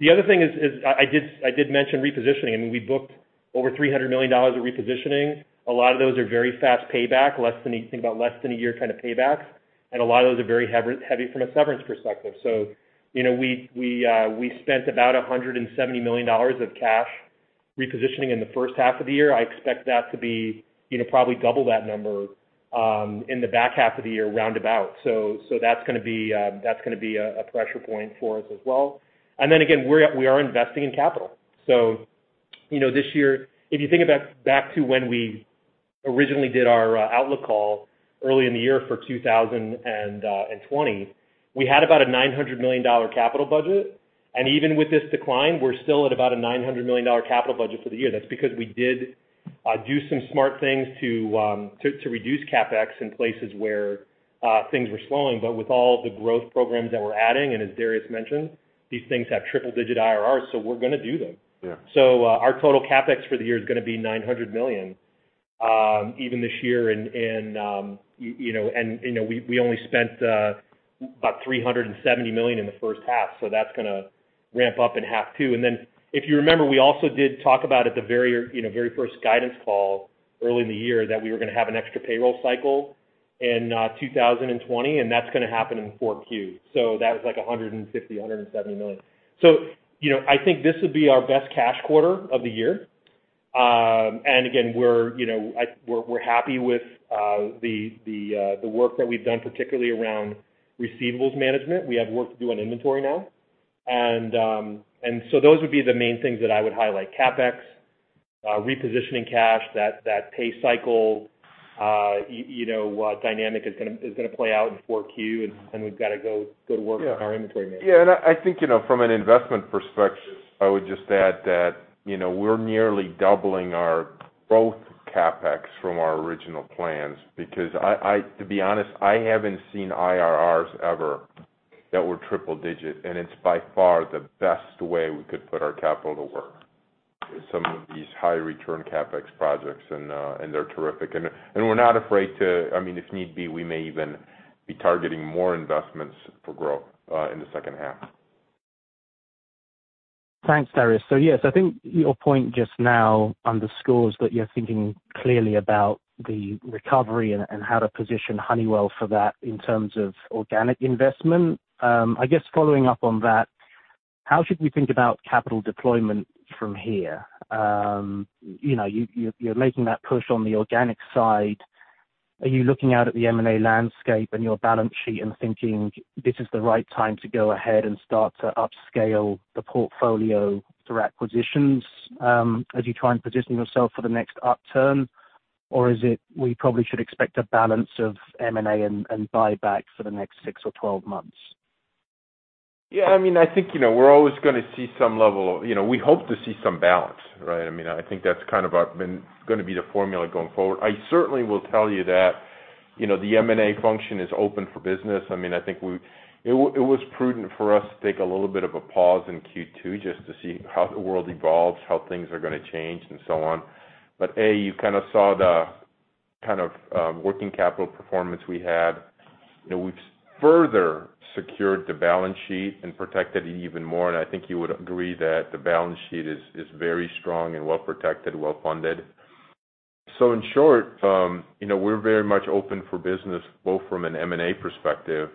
The other thing is I did mention repositioning. We booked over $300 million of repositioning. A lot of those are very fast payback, think about less than a year kind of paybacks, and a lot of those are very heavy from a severance perspective. We spent about $170 million of cash repositioning in the first half of the year. I expect that to be probably double that number in the back half of the year roundabout. That's going to be a pressure point for us as well. Again, we are investing in capital. This year, if you think back to when we originally did our outlook call early in the year for 2020, we had about a $900 million capital budget, and even with this decline, we're still at about a $900 million capital budget for the year. That's because we did do some smart things to reduce CapEx in places where things were slowing. With all the growth programs that we're adding, and as Darius mentioned, these things have triple-digit IRRs, so we're going to do them. Yeah. Our total CapEx for the year is going to be $900 million, even this year, and we only spent about $370 million in the first half, so that's going to ramp up in half two. If you remember, we also did talk about at the very first guidance call early in the year that we were going to have an extra payroll cycle in 2020, and that's going to happen in 4Q. That was like $150 million-$170 million. I think this would be our best cash quarter of the year. Again, we're happy with the work that we've done, particularly around receivables management. We have work to do on inventory now. Those would be the main things that I would highlight, CapEx, repositioning cash, that pay cycle dynamic is going to play out in 4Q, and we've got to go to work. Yeah on our inventory management. Yeah. I think from an investment perspective, I would just add that we're nearly doubling our growth CapEx from our original plans because to be honest, I haven't seen IRRs ever that were triple-digit, it's by far the best way we could put our capital to work. Some of these high-return CapEx projects and they're terrific. We're not afraid to, if need be, we may even be targeting more investments for growth in the second half. Thanks, Darius. Yes, I think your point just now underscores that you're thinking clearly about the recovery and how to position Honeywell for that in terms of organic investment. I guess following up on that, how should we think about capital deployment from here? You're making that push on the organic side. Are you looking out at the M&A landscape and your balance sheet and thinking this is the right time to go ahead and start to upscale the portfolio through acquisitions, as you try and position yourself for the next upturn? Is it, we probably should expect a balance of M&A and buyback for the next six or 12 months? Yeah, I think we hope to see some balance, right? I think that's kind of going to be the formula going forward. I certainly will tell you that the M&A function is open for business. I think it was prudent for us to take a little bit of a pause in Q2 just to see how the world evolves, how things are going to change, and so on. You kind of saw the kind of working capital performance we had. We've further secured the balance sheet and protected it even more, and I think you would agree that the balance sheet is very strong and well-protected, well-funded. In short, we're very much open for business, both from an M&A perspective,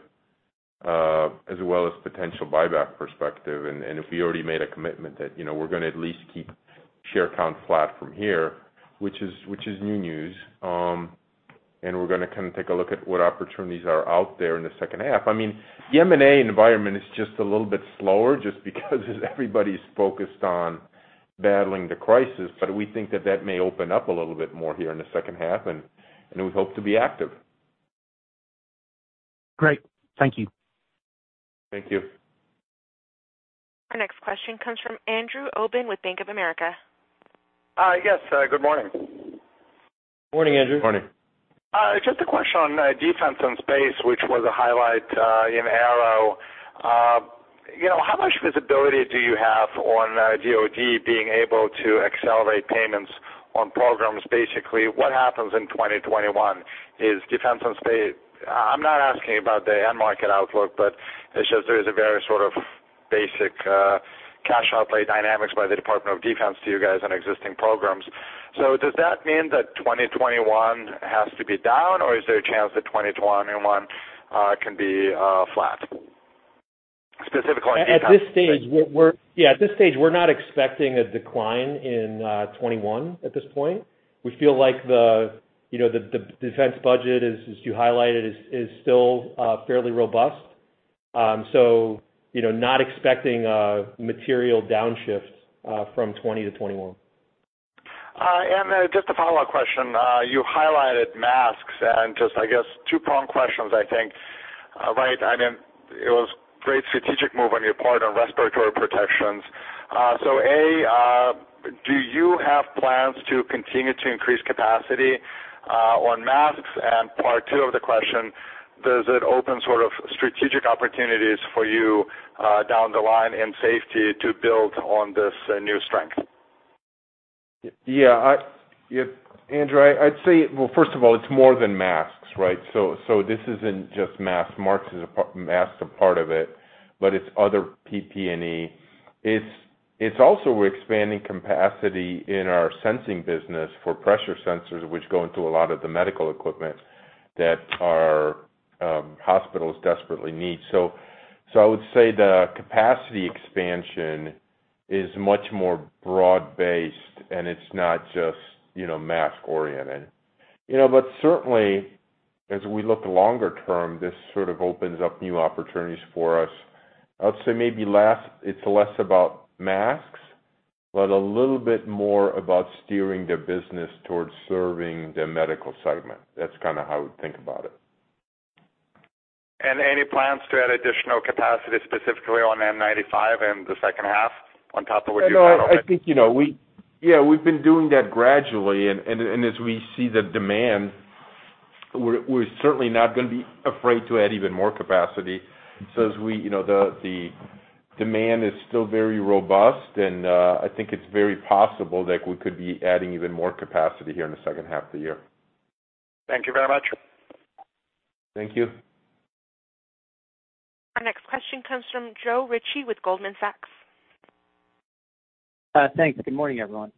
as well as a potential buyback perspective. If we already made a commitment that we're going to at least keep share count flat from here, which is new news. We're going to kind of take a look at what opportunities are out there in the second half. I mean, the M&A environment is just a little bit slower just because everybody's focused on battling the crisis, but we think that that may open up a little bit more here in the second half, and we hope to be active. Great. Thank you. Thank you. Our next question comes from Andrew Obin with Bank of America. Yes. Good morning. Morning, Andrew. Morning. Just a question on defense and space, which was a highlight in Aero. How much visibility do you have on DoD being able to accelerate payments on programs? Basically, what happens in 2021? Is Defense and Space - I'm not asking about the end market outlook, but it's just there is a very sort of basic cash outlay dynamics by the Department of Defense to you guys on existing programs. Does that mean that 2021 has to be down, or is there a chance that 2021 can be flat? Specifically on defense. At this stage, we're not expecting a decline in 2021 at this point. We feel like the defense budget, as you highlighted, is still fairly robust. Not expecting a material downshift from 2020 to 2021. Just a follow-up question. You highlighted masks and just, I guess, two-pronged questions, I think, right? It was great strategic move on your part on respiratory protections. Do you have plans to continue to increase capacity on masks? Part two of the question, does it open sort of strategic opportunities for you down the line in safety to build on this new strength? Yeah. Andrew, I'd say, well, first of all, it's more than masks, right? This isn't just masks. Masks are part of it, but it's other PPE. It's also we're expanding capacity in our sensing business for pressure sensors, which go into a lot of the medical equipment that our hospitals desperately need. I would say the capacity expansion is much more broad-based, and it's not just mask-oriented. Certainly, as we look longer term, this sort of opens up new opportunities for us. I would say maybe it's less about masks, but a little bit more about steering the business towards serving the medical segment. That's kind of how I would think about it. Any plans to add additional capacity specifically on N95 in the second half, on top of what you've got open? I think you know, we've been doing that gradually, and as we see the demand, we're certainly not going to be afraid to add even more capacity. The demand is still very robust, and I think it's very possible that we could be adding even more capacity here in the second half of the year. Thank you very much. Thank you. Our next question comes from Joe Ritchie with Goldman Sachs. Thanks. Good morning, everyone.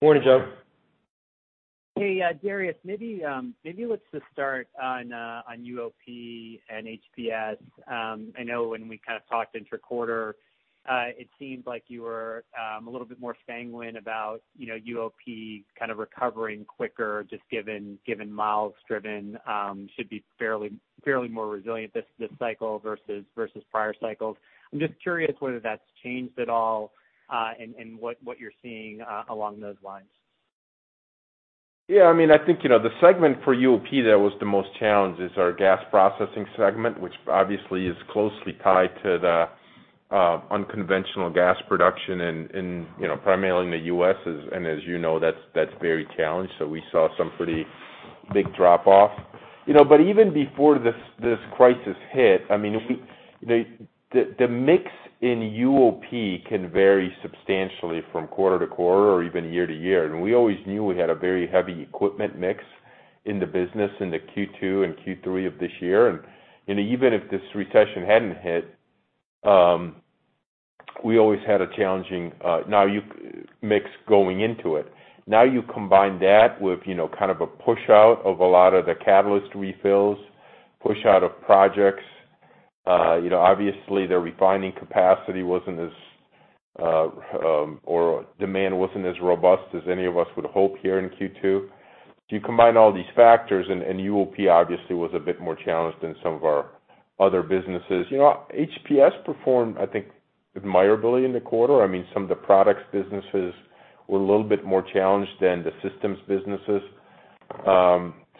Morning, Joe. Hey, Darius. Maybe let's just start on UOP and HPS. I know when we kind of talked inter-quarter, it seemed like you were a little bit more sanguine about UOP kind of recovering quicker, just given miles driven should be fairly more resilient this cycle versus prior cycles. I'm just curious whether that's changed at all, and what you're seeing along those lines. Yeah. I think the segment for UOP that was the most challenged is our gas processing segment, which obviously is closely tied to the unconventional gas production, primarily in the U.S., and as you know, that's very challenged. We saw some pretty big drop off. Even before this crisis hit, the mix in UOP can vary substantially from quarter to quarter or even year-to-year. We always knew we had a very heavy equipment mix in the business into Q2 and Q3 of this year. Even if this recession hadn't hit, we always had a challenging mix going into it. Now you combine that with kind of a push out of a lot of the catalyst refills, push out of projects. Obviously, their refining capacity or demand wasn't as robust as any of us would hope here in Q2. You combine all these factors, UOP obviously was a bit more challenged than some of our other businesses. HPS performed, I think, admirably in the quarter. Some of the products businesses were a little bit more challenged than the systems businesses.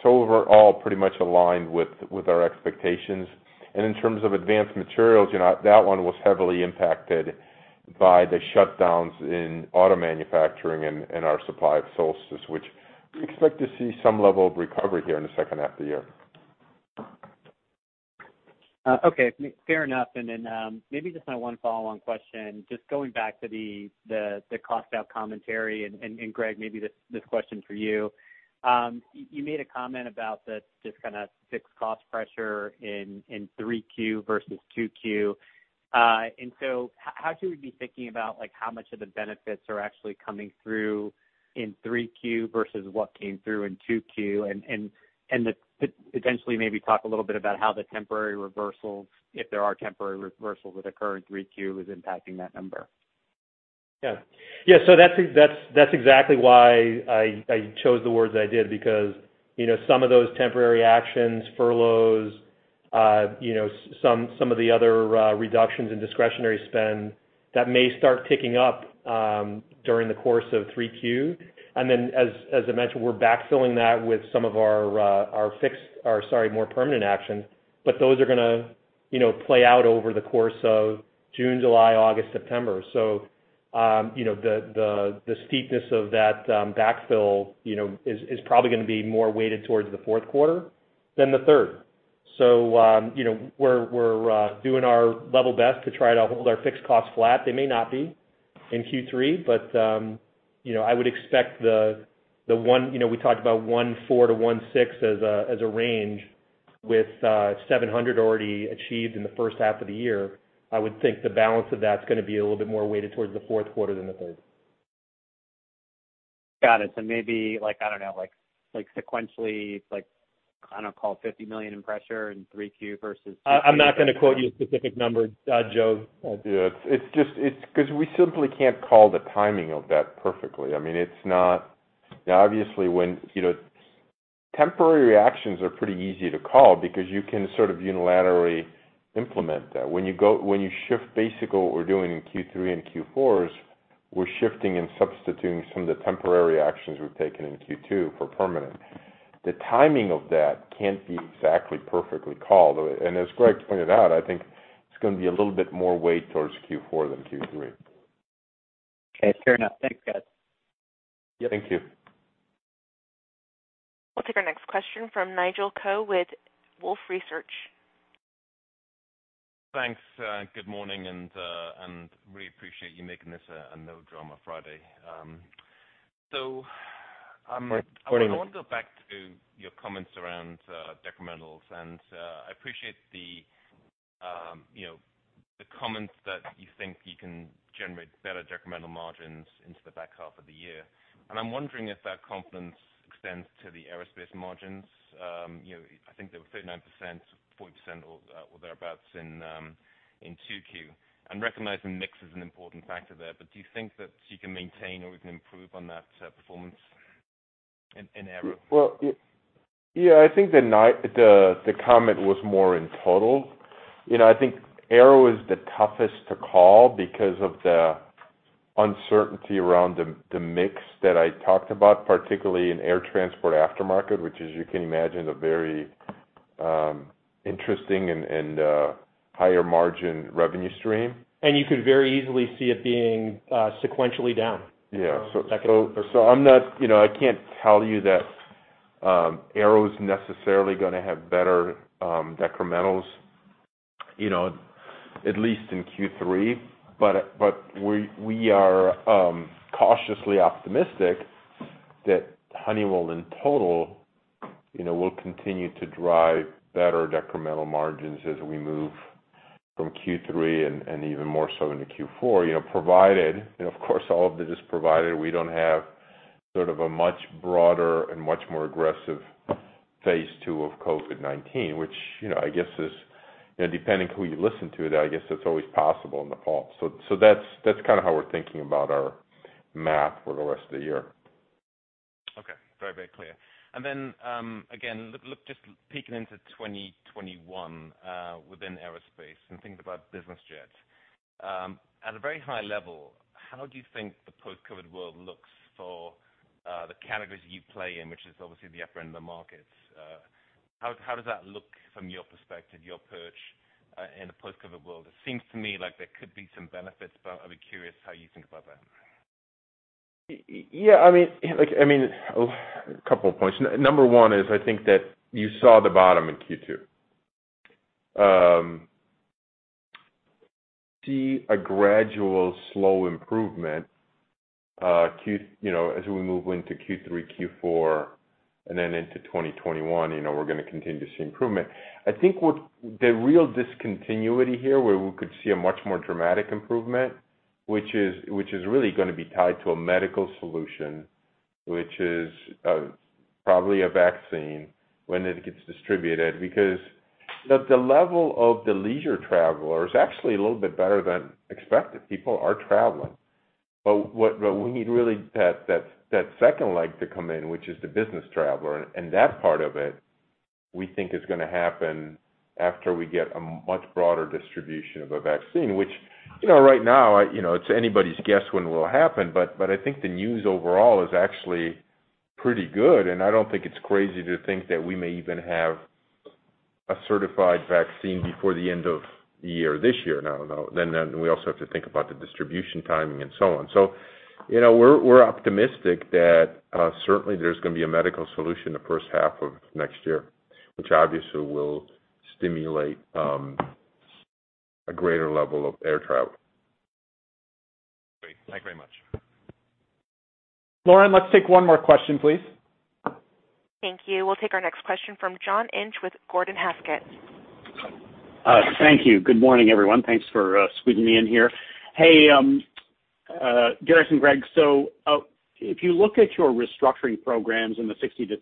Overall, pretty much aligned with our expectations. In terms of advanced materials, that one was heavily impacted by the shutdowns in auto manufacturing and our supplied sources, which we expect to see some level of recovery here in the second half of the year. Okay, fair enough. Maybe just my one follow-on question, just going back to the cost out commentary, Greg, maybe this is a question for you. You made a comment about the just kind of fixed cost pressure in 3Q versus 2Q. How should we be thinking about how much of the benefits are actually coming through in 3Q versus what came through in 2Q? Potentially maybe talk a little bit about how the temporary reversals, if there are temporary reversals that occur in 3Q, is impacting that number. That's exactly why I chose the words that I did, because some of those temporary actions, furloughs, some of the other reductions in discretionary spend, that may start ticking up during the course of 3Q. As I mentioned, we're backfilling that with some of our more permanent actions. Those are going to play out over the course of June, July, August, and September. The steepness of that backfill is probably going to be more weighted towards the fourth quarter than the third. We're doing our level best to try to hold our fixed costs flat. They may not be in Q3, but I would expect the one, we talked about $1.4 billion-$1.6 billion as a range with $700 million already achieved in the first half of the year. I would think the balance of that's going to be a little bit more weighted towards the fourth quarter than the third. Got it. Maybe, I don't know, sequentially, kind of call it $50 million in pressure in 3Q versus. I'm not going to quote you a specific number, Joe. It's because we simply can't call the timing of that perfectly. I mean, it's not, obviously, when temporary actions are pretty easy to call because you can sort of unilaterally implement that. When you shift basically what we're doing in Q3 and Q4 is we're shifting and substituting some of the temporary actions we've taken in Q2 for permanent. The timing of that can't be exactly perfectly called. As Greg pointed out, I think it's going to be a little bit more weight towards Q4 than Q3. Okay. Fair enough. Thanks, guys. Thank you. We'll take our next question from Nigel Coe with Wolfe Research. Thanks. Good morning, and really appreciate you making this a no-drama Friday. Morning. I want to go back to your comments around decrementals. I appreciate the comments that you think you can generate better decremental margins into the back half of the year. I'm wondering if that confidence extends to the Aerospace margins. I think they were 39%, 40% or thereabouts in 2Q. Recognizing mix is an important factor there, but do you think that you can maintain or even improve on that performance in Aero? Well, yeah, I think the comment was more in total. I think Aero is the toughest to call because of the uncertainty around the mix that I talked about, particularly in air transport aftermarket, which is, as you can imagine, a very interesting and higher margin revenue stream. You could very easily see it being sequentially down. Yeah. I can't tell you that Aero's necessarily going to have better decrementals, at least in Q3. We are cautiously optimistic that Honeywell in total will continue to drive better decremental margins as we move from Q3 and even more so into Q4, provided, of course, all of this is provided we don't have sort of a much broader and much more aggressive Phase 2 of COVID-19, which I guess is, depending on who you listen to, I guess it's always possible in the fall. That's kind of how we're thinking about our math for the rest of the year. Okay. Very clear. Again, just peeking into 2021 within aerospace and thinking about business jets, at a very high level, how do you think the post-COVID world looks for the categories you play in, which is obviously the upper end of the market? How does that look from your perspective, your perch in a post-COVID world? It seems to me like there could be some benefits, but I'd be curious how you think about that. Yeah. A couple of points. Number one is I think that you saw the bottom in Q2. We'll see a gradual slow improvement as we move into Q3, Q4, and then into 2021, we're going to continue to see improvement. I think what the real discontinuity here, where we could see a much more dramatic improvement, which is really going to be tied to a medical solution, which is probably a vaccine when it gets distributed. Because the level of the leisure traveler is actually a little bit better than expected. People are traveling. What we need really that second leg to come in, which is the business traveler, and that part of it, we think is going to happen after we get a much broader distribution of a vaccine, which right now, it's anybody's guess when it will happen, but I think the news overall is actually pretty good, and I don't think it's crazy to think that we may even have a certified vaccine before the end of this year. Now, we also have to think about the distribution timing and so on. We're optimistic that certainly there's going to be a medical solution the first half of next year, which obviously will stimulate a greater level of air travel. Great. Thanks very much. Lauren, let's take one more question, please. Thank you. We'll take our next question from John Inch with GORDON HASKETT. Thank you. Good morning, everyone. Thanks for squeezing me in here. Hey, Darius and Greg. If you look at your restructuring programs in the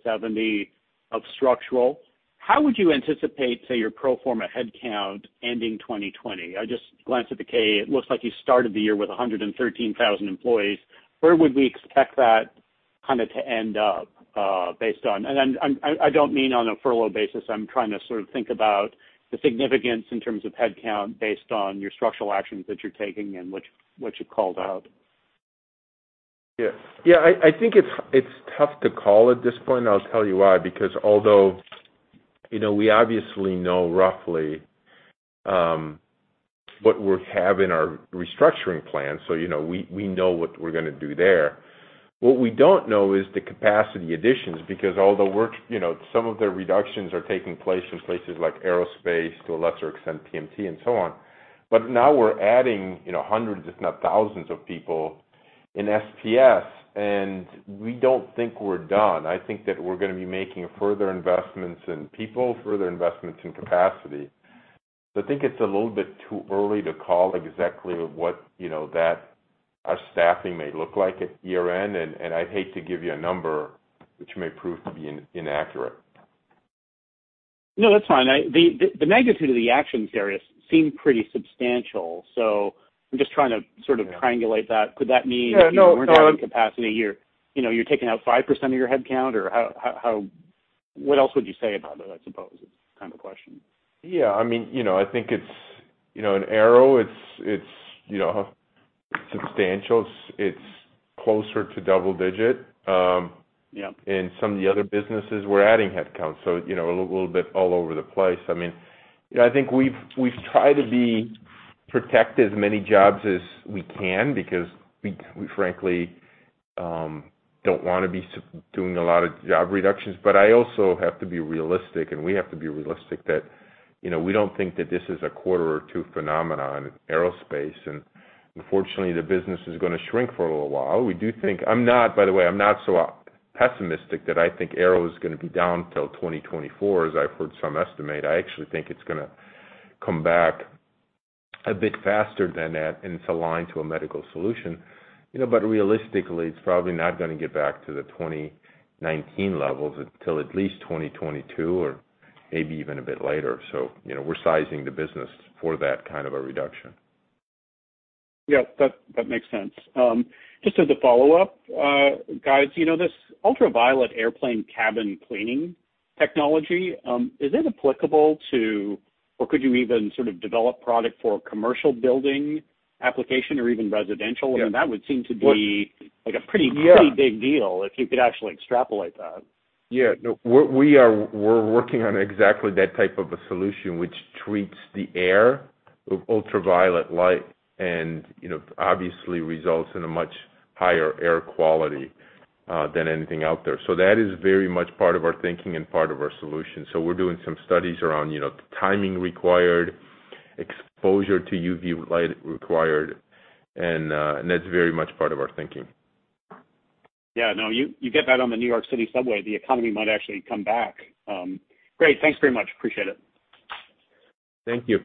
60%-70% of structural, how would you anticipate, say, your pro forma headcount ending 2020? I just glanced at the K, it looks like you started the year with 113,000 employees. Where would we expect that to end up based on that? I don't mean on a furlough basis, I'm trying to sort of think about the significance in terms of headcount based on your structural actions that you're taking and what you called out. Yeah. I think it's tough to call at this point, and I'll tell you why. Although we obviously know roughly what we have in our restructuring plan, we know what we're going to do there. What we don't know is the capacity additions, although some of the reductions are taking place in places like Honeywell Aerospace, to a lesser extent, PMT and so on. Now we're adding hundreds, if not thousands of people in SPS, and we don't think we're done. I think that we're going to be making further investments in people, further investments in capacity. I think it's a little bit too early to call exactly what our staffing may look like at year-end, and I'd hate to give you a number which may prove to be inaccurate. No, that's fine. The magnitude of the actions, Darius, seem pretty substantial, so I'm just trying to sort of triangulate that. Yeah, no. if you weren't adding capacity, you're taking out 5% of your headcount? Or what else would you say about it, I suppose is kind of the question. Yeah. I think in Aero, it's substantial. It's closer to double digit. Yep. In some of the other businesses, we're adding headcount. A little bit all over the place. I think we've tried to protect as many jobs as we can because we frankly don't want to be doing a lot of job reductions, but I also have to be realistic, and we have to be realistic that we don't think that this is a quarter or two phenomenon in Aerospace, and unfortunately, the business is going to shrink for a little while. By the way, I'm not so pessimistic that I think Aero is going to be down till 2024, as I've heard some estimate. I actually think it's going to come back a bit faster than that, and it's aligned to a medical solution. Realistically, it's probably not going to get back to the 2019 levels until at least 2022 or maybe even a bit later. We're sizing the business for that kind of a reduction. Yeah, that makes sense. Just as a follow-up, guys, this ultraviolet airplane cabin cleaning technology, is it applicable to or could you even sort of develop product for commercial building application or even residential? Yeah. I mean, that would seem to be like a pretty- Yeah big deal if you could actually extrapolate that. Yeah. We're working on exactly that type of a solution, which treats the air with ultraviolet light and obviously results in a much higher air quality than anything out there. That is very much part of our thinking and part of our solution. We're doing some studies around the timing required, exposure to UV light required, and that's very much part of our thinking. Yeah. No, you get that on the New York City subway, the economy might actually come back. Great. Thanks very much. Appreciate it. Thank you.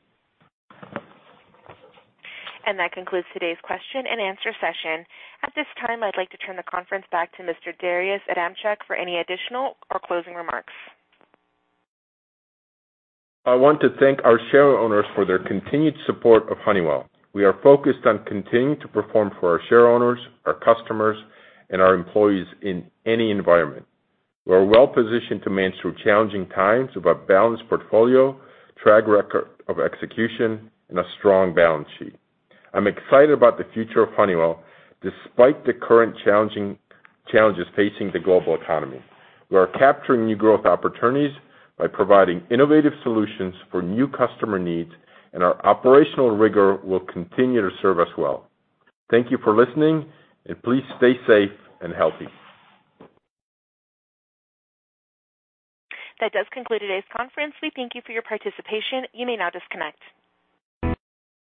That concludes today's question and answer session. At this time, I'd like to turn the conference back to Mr. Darius Adamczyk for any additional or closing remarks. I want to thank our shareowners for their continued support of Honeywell. We are focused on continuing to perform for our shareowners, our customers, and our employees in any environment. We are well-positioned to manage through challenging times with our balanced portfolio, track record of execution, and a strong balance sheet. I'm excited about the future of Honeywell, despite the current challenges facing the global economy. We are capturing new growth opportunities by providing innovative solutions for new customer needs, and our operational rigor will continue to serve us well. Thank you for listening, and please stay safe and healthy. That does conclude today's conference. We thank you for your participation. You may now disconnect.